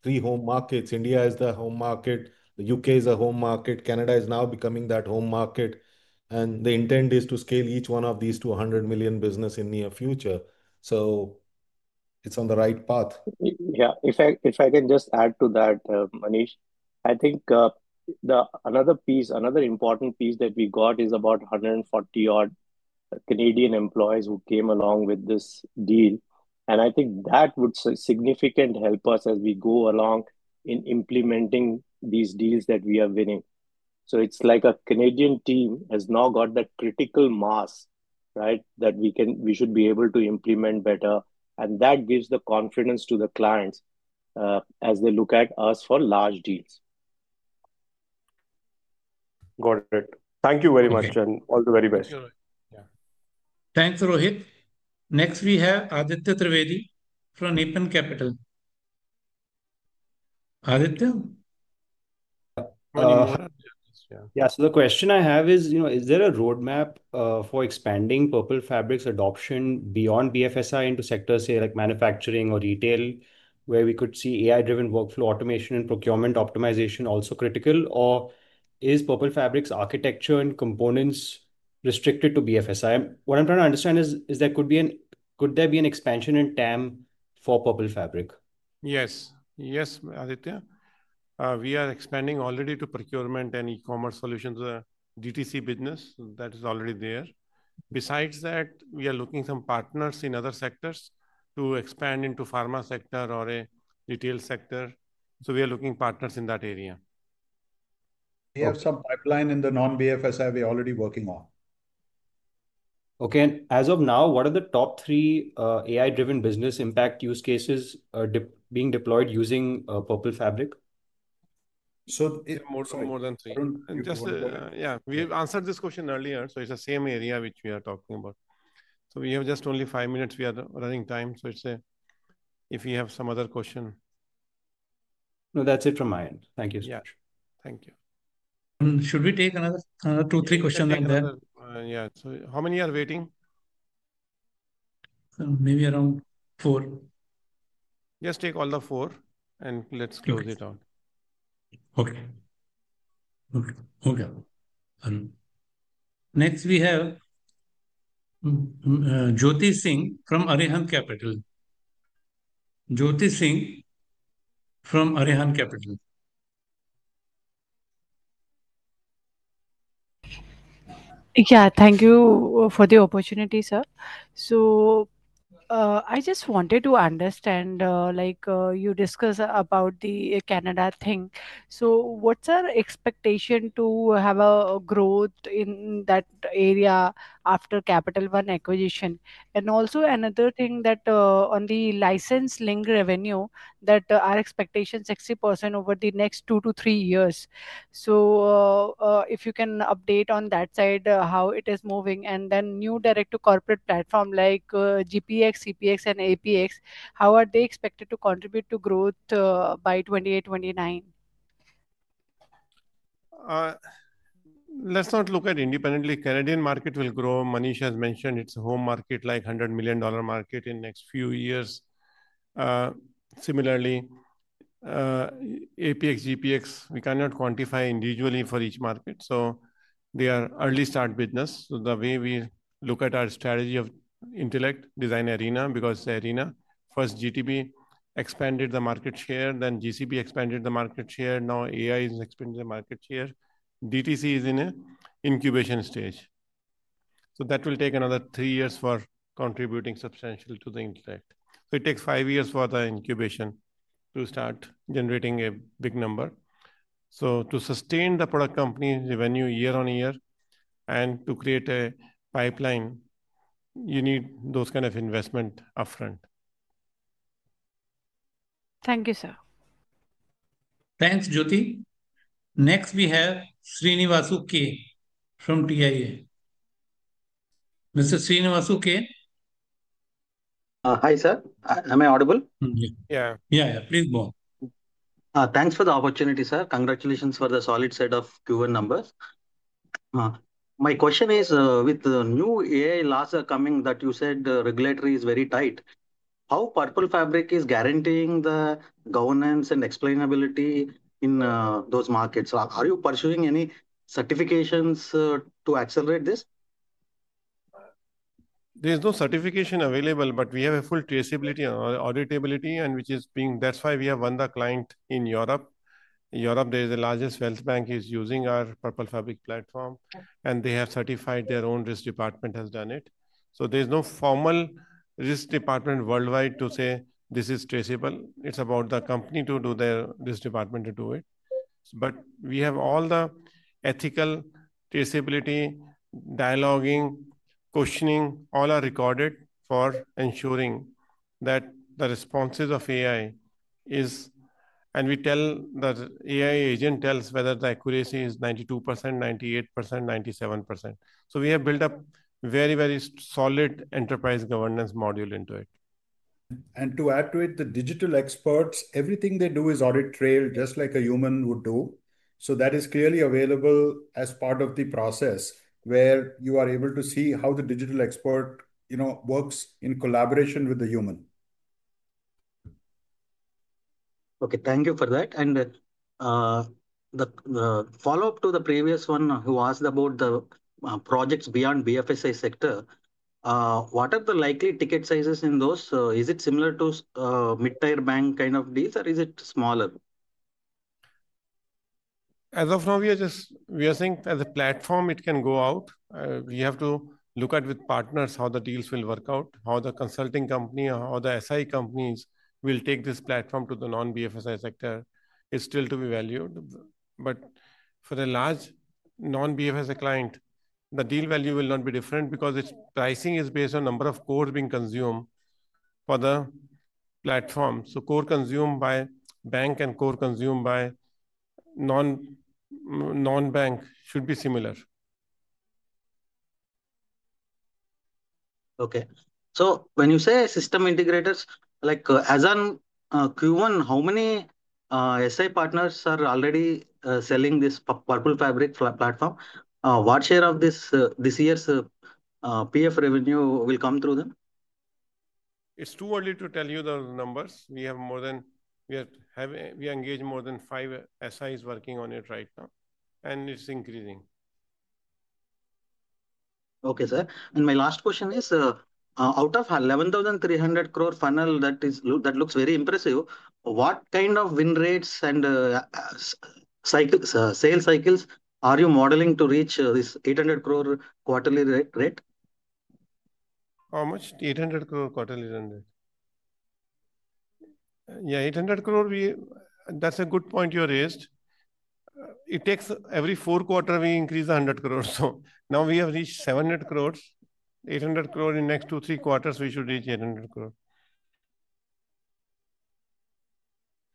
three home markets: India is the home market. The U.K. is a home market. Canada is now becoming that home market. The intent is to scale each. One of these to $100 million business in near future. It is on the right path. Yeah. If I can just add to that. Manish, I think another important piece that we got is about 140 Canadian employees who came along with this deal, and I think that would significantly help us as we go along in implementing these deals that we are winning. It is like a Canadian team has now got that critical mass right that we should be able to implement better. That gives the confidence to the clients as they look at us for large deals. Got it. Thank you very much and all the very best. Thanks, Rohit. Next we have Aditya Trivedi from Nepean Capital. Yeah, the question I have is. You know, is there a roadmap for this. Expanding Purple Fabric's adoption beyond BFSI into. Sectors say like manufacturing or retail, where. We could see AI-driven workflow, automation, and procurement optimization also critical or is. Purple Fabric's architecture and components restricted to BFSI? What I'm trying to understand is there could be an. Could there be an expansion in TAM for Purple Fabric? Yes. Yes, Aditya, we are expanding already to procurement and e-commerce solutions, DTC business that is already there. Besides that, we are looking at some partners in other sectors to expand into pharma sector or a retail sector. We are looking at partners in that area. We have some pipeline in the non-BFSI we are already working on. Okay. As of now, what are the top three AI-driven business impact use cases being deployed using Purple Fabric? More than three. Yeah, we answered this question earlier. It's the same area which we are talking about. We have just only five minutes. We are running time. If you have some other question. No, that's it from my end. Thank you. Thank you. Should we take another two, three questions? How many are waiting? Maybe around four. Just take all the four and let's close it out. Okay. Okay. Next we have Jyoti Singh from Arihant Capital. Jyoti Singh from Ariham Capital. Yeah. Thank you for the opportunity, sir. I just wanted to understand, like you discuss about the Canada thing. What's our expectation to have a growth in that area after Capital One acquisition? Also, another thing that on the license-linked revenue, our expectation is 60% over the next two to three years. If you can update on that side, how it is moving. New direct to corporate platform like GPX, CPX, and APX. How are they expected to contribute? Growth by 2028, 2029? Let's not look at independently. Canadian market will grow. Manish has mentioned its home market like $100 million market in next few years. Similarly, APX, GPX, we cannot quantify individually for each market. They are early start business. The way we look at our strategy of Intellect Design Arena, because Arena first GTB expanded the market share, then GCB expanded the market share. Now AI is expanding the market share. DTC is in an incubation stage. That will take another three years for contributing substantially to the intent. It takes five years for the incubation to start generating a big number. To sustain the product company revenue year-on-year and to create a pipeline, you need those kind of investment upfront. Thank you, sir. Thanks, Jyoti. Next, we have Srinivasu K from TIA. Mr. Srinivasu K? Hi sir. Am I audible? Yeah, yeah. Please move. Thanks for the opportunity, sir. Congratulations for the solid set of Q1 numbers. My question is with the new AI laws are coming that you said regulatory is very tight, how Purple Fabric is guaranteeing the governance and explainability in those markets. Are you pursuing any certifications to accelerate this? There is no certification available, but we have full traceability and auditability, which is being. That's why we have won the client in Europe. In Europe, the largest wealth bank is using our Purple Fabric platform, and they have certified it. Their own risk department has done it. There is no formal risk department worldwide to say this is traceable. It's about the company to do their risk department to do it. We have all the ethical traceability, dialoguing, questioning, all are recorded for ensuring that the responses of AI is, and we tell the AI agent tells whether the accuracy is 92%, 98%, 97%. We have built up very, very solid enterprise governance module into it. To add to it, the digital experts, everything they do is audit trail, just like a human would do. That is clearly available as part of the process where you are able to see how the digital expert works in collaboration with the human. Okay, thank you for that. The follow up to the previous one who asked about the projects beyond BFSI sector, what are the likely ticket sizes in those? Is it similar to mid tier bank kind of deals or is it smaller? As of now, we are just saying as a platform it can go out. We have to look at with partners how the deals will work out, how the consulting company or the SI companies will take this platform to the non-BFSI sector is still to be valued. For a large non-BFSI client, the deal value will not be different because its pricing is based on number of cores being consumed for the platform. Core consumed by bank and core consumed by non-bank should be similar. Okay, so when you say system integrators like as on Q1, how many SI partners are already selling this Purple Fabric platform? What share of this year's PF revenue will come through them? It's too early to tell you the numbers. We have more than we are having. We engage more than 5 SIs working on it right now, and it's increasing. Okay sir. My last question is, out of the 11,300 crore funnel, that looks very impressive. What kind of win rates and sales cycles are you modeling to reach this 800 crore quarterly rate? How much? 800 crore quarterly run rate. Yeah. 800 crore. That's a good point you raised. It takes every four quarters we increase 100 crore. Now we have reached 700 crore. 800 crore. In next two, three quarters we should reach 800 crore.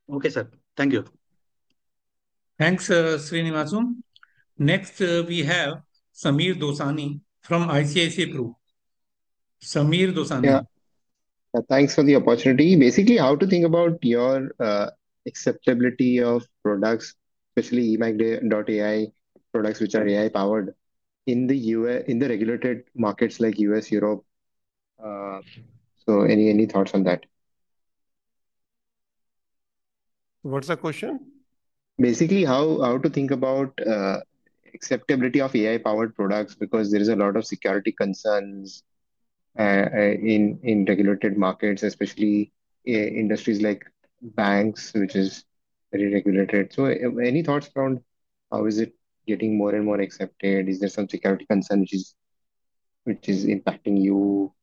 Okay, sir. Thank you. Thanks, Srinivasu. Next, we have Samir Dosani from ICICI. Samir Dosani. Thanks for the opportunity. Basically, how to think about your acceptability of products, especially eMACH.ai products, which are AI-powered in the regulated markets like the U.S. and Europe? Any thoughts on that? What's the question? Basically, how to think about acceptability of AI-powered products. There is a lot of security concerns in regulated markets, especially industries like banks, which is very regulated. Any thoughts around how is it getting more and more accepted? Is there some security concern which is impacting you?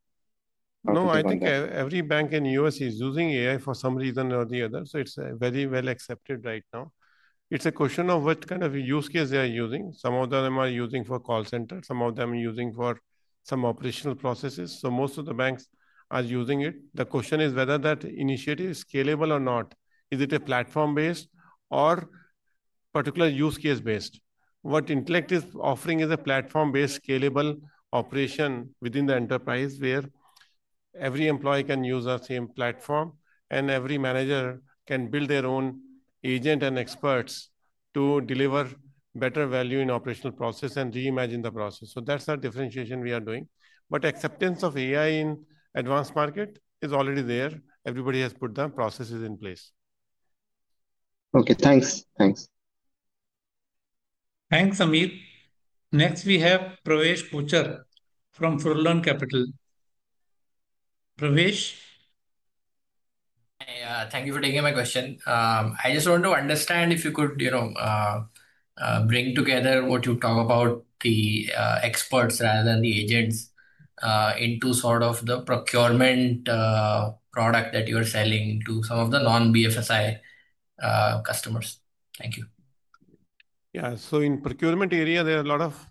No. I think every bank in the U.S. is using AI for some reason or the other. It's very well accepted. Right now it's a question of what kind of use case they are using. Some of them are using it for call center, some of them are using it for some operational processes. Most of the banks, the question is whether that initiative is scalable or not. Is it platform-based or particular use case-based? What Intellect is offering is a platform-based scalable operation within the enterprise where every employee can use the same platform and every manager can build their own agent and experts to deliver better value in operational process and reimagine the process. That's the differentiation we are doing. Acceptance of AI in advanced markets is already there. Everybody has put the processes in place. Okay, thanks. Thanks. Thanks Amit. Next we have Pravesh Kocher from FourLion Capital. Pravesh. Thank you for taking my question. I just want to understand if you could bring together what you talk about, the experts rather than the agents, into sort of the procurement product that you are selling to some of. The non-BFSI customers. Thank you. Yeah. In procurement area there are a lot of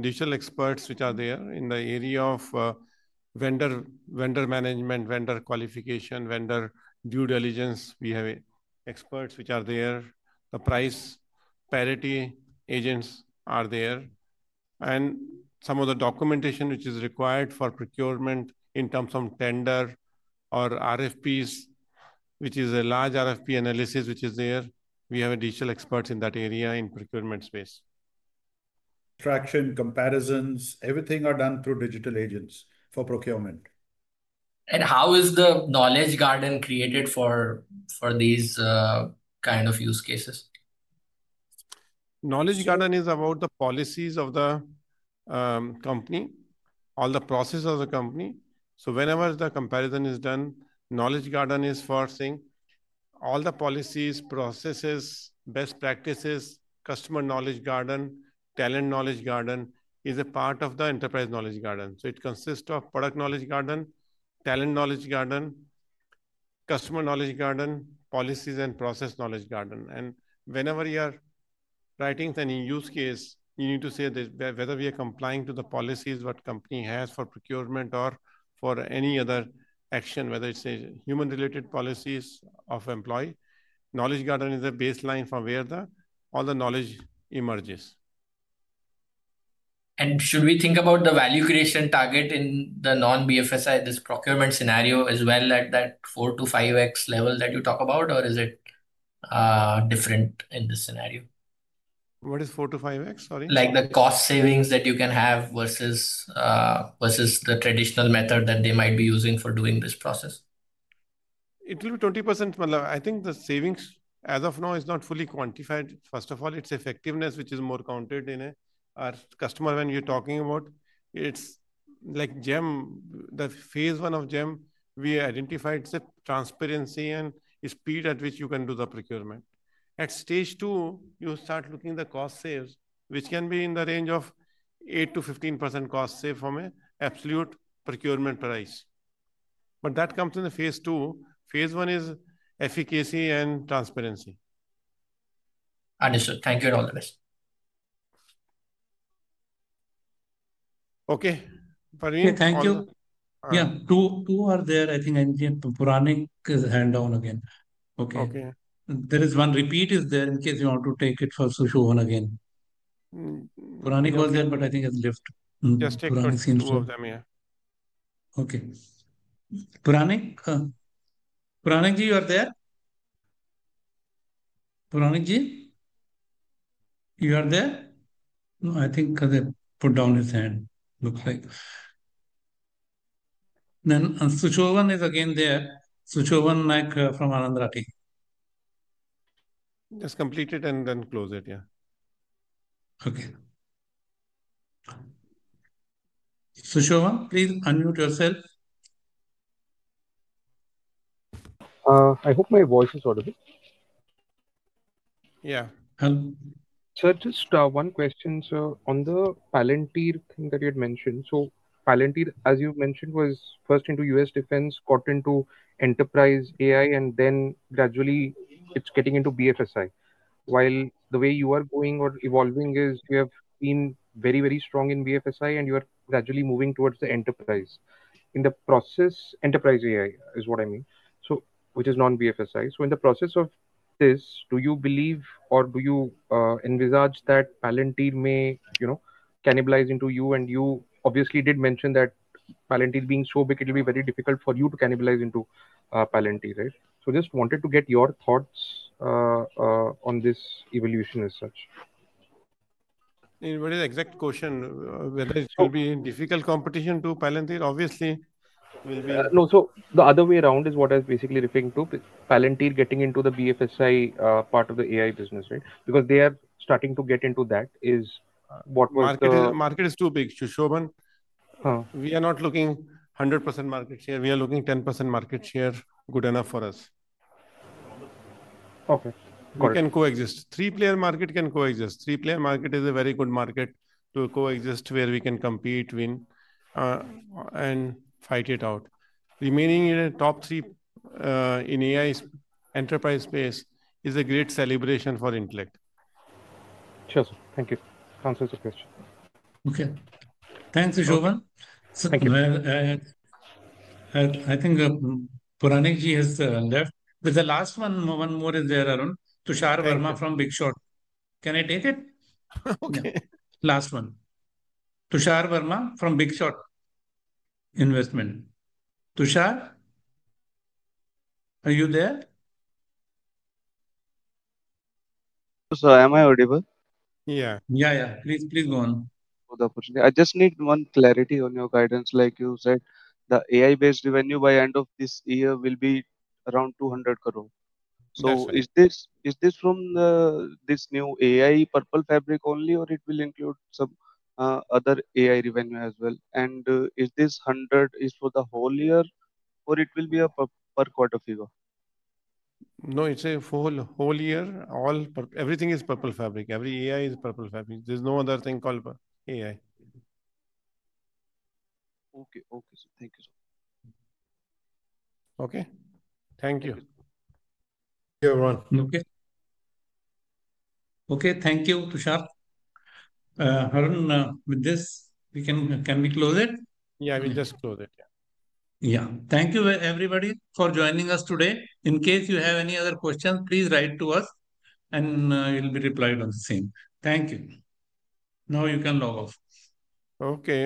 digital Experts which are there. In the area of vendor, vendor management, vendor qualification, vendor due diligence, we have experts which are there, the price parity agents are there, and some of the documentation which is required for procurement in terms of tender or RFPs, which is a large RFP analysis which is there. We have additional experts in that area. In procurement space, Extraction, comparisons, everything are done through digital agents for procurement. How is the enterprise knowledge garden created for these kind of use cases? Knowledge Garden is about the policies of the company, all the process of the company. Whenever the comparison is done, Knowledge Garden is for sync all the policies, processes, best practices, Customer Knowledge Garden, Talent Knowledge Garden is a part of the Enterprise Knowledge Garden. It consists of Product Knowledge Garden, Talent Knowledge Garden, Customer Knowledge Garden, Policies and Process Knowledge Garden. Whenever you are writing any use case you need to say this. Whether we are complying to the policies what company has for procurement or for any other action, whether it's a human related policies of employee, Knowledge Garden is the baseline from where all the knowledge emerges. Should we think about the value creation target in the non-BFSI procurement scenario as well at that 4x-5x level that you talk about, or is it different in this scenario? What is 4x-5x? Sorry? Like the cost savings that you can have versus the traditional method that they might be using for doing this. Process It will be 20%. I think the savings as of now is not fully quantified. First of all, it's effectiveness which is more counted in our customer. When you're talking about it, it's like GeM, the phase one of GeM. We identified the transparency and speed at which you can do the procurement. At stage two, you start looking at the cost saves, which can be in the range of 8%-15% cost save from an absolute procurement price. That comes in the Phase II. Phase I is efficacy and transparency. Thank you and all the best. Okay, Thank you. Two are there. I think his hand is down again. There is one repeat in case you want to take it for Sushovan again was there, but I think it's left two of them. Pranik, you are there. No, I think Kaze put down his hand. Looks like such is again there. Sushovan from Anand Rathi. Just complete it and then close it. Okay. Sushovan, please unmute yourself. I hope my voice is audible. Yeah. Sir, just one question. On the Palantir thing that you had mentioned, Palantir, as you mentioned, was first into U.S. defense, got into enterprise AI, and then gradually it's getting into BFSI. The way you are going or evolving is you have been very, very strong in BFSI and you are gradually moving towards the enterprise in the process—enterprise AI is what I mean, which is non-BFSI. In the process of this, do you believe or do you envisage that Palantir may, you know, cannibalize into you? You obviously did mention that Palantir being so big, it will be very difficult for you to cannibalize into Palantir. I just wanted to get your thoughts on this evolution as such. What is the exact question? Whether it will be in difficult competition to Palantir, obviously will be no. The other way around is what I basically referring to Palantir getting into the BFSI part of the AI business, right? Because they are starting to get into that is what market. Market is too big, Sushovan. We are not looking for 100% market share. We are looking for 10% market share. We good enough for us. Okay. Can coexist three player market. Can coexist three player market is a very good market to coexist, where we can compete, win, and fight it out. Remaining in a top three in AI enterprise space is a great celebration for Intellect. Sure, sir. Thank you. Counsel your question. Okay. Thanks, Shan. I think Puranikji has left. The last one, one more is there. Arun, Tushar Verma from Big Short. Can I take it? Last one. Tushar Verma from Big Short Investment. Tushar, are you there? Sir, am I audible? Yeah, please go on. I just need one clarity on your guidance. Like you said the AI-driven revenue by end of this year will be around 200 crore. Is this. Is this from this new AI Purple Fabric only, or will it include some other AI revenue as well? Is this $100 million for the whole year, or will it be a per quarter figure? No, it's a full whole year. All everything is Purple Fabric. Every AI is Purple Fabric. There's no other thing called AI. Okay. Okay. Thank you, sir. Okay, Thank you everyone. Okay. Okay. Thank you. With this we can. Can we close it? Yeah. We just close it. Yeah. Thank you everybody for joining us today. In case you have any other questions, please write to us and it'll be replied on same. Thank you. Now you can log off. Okay.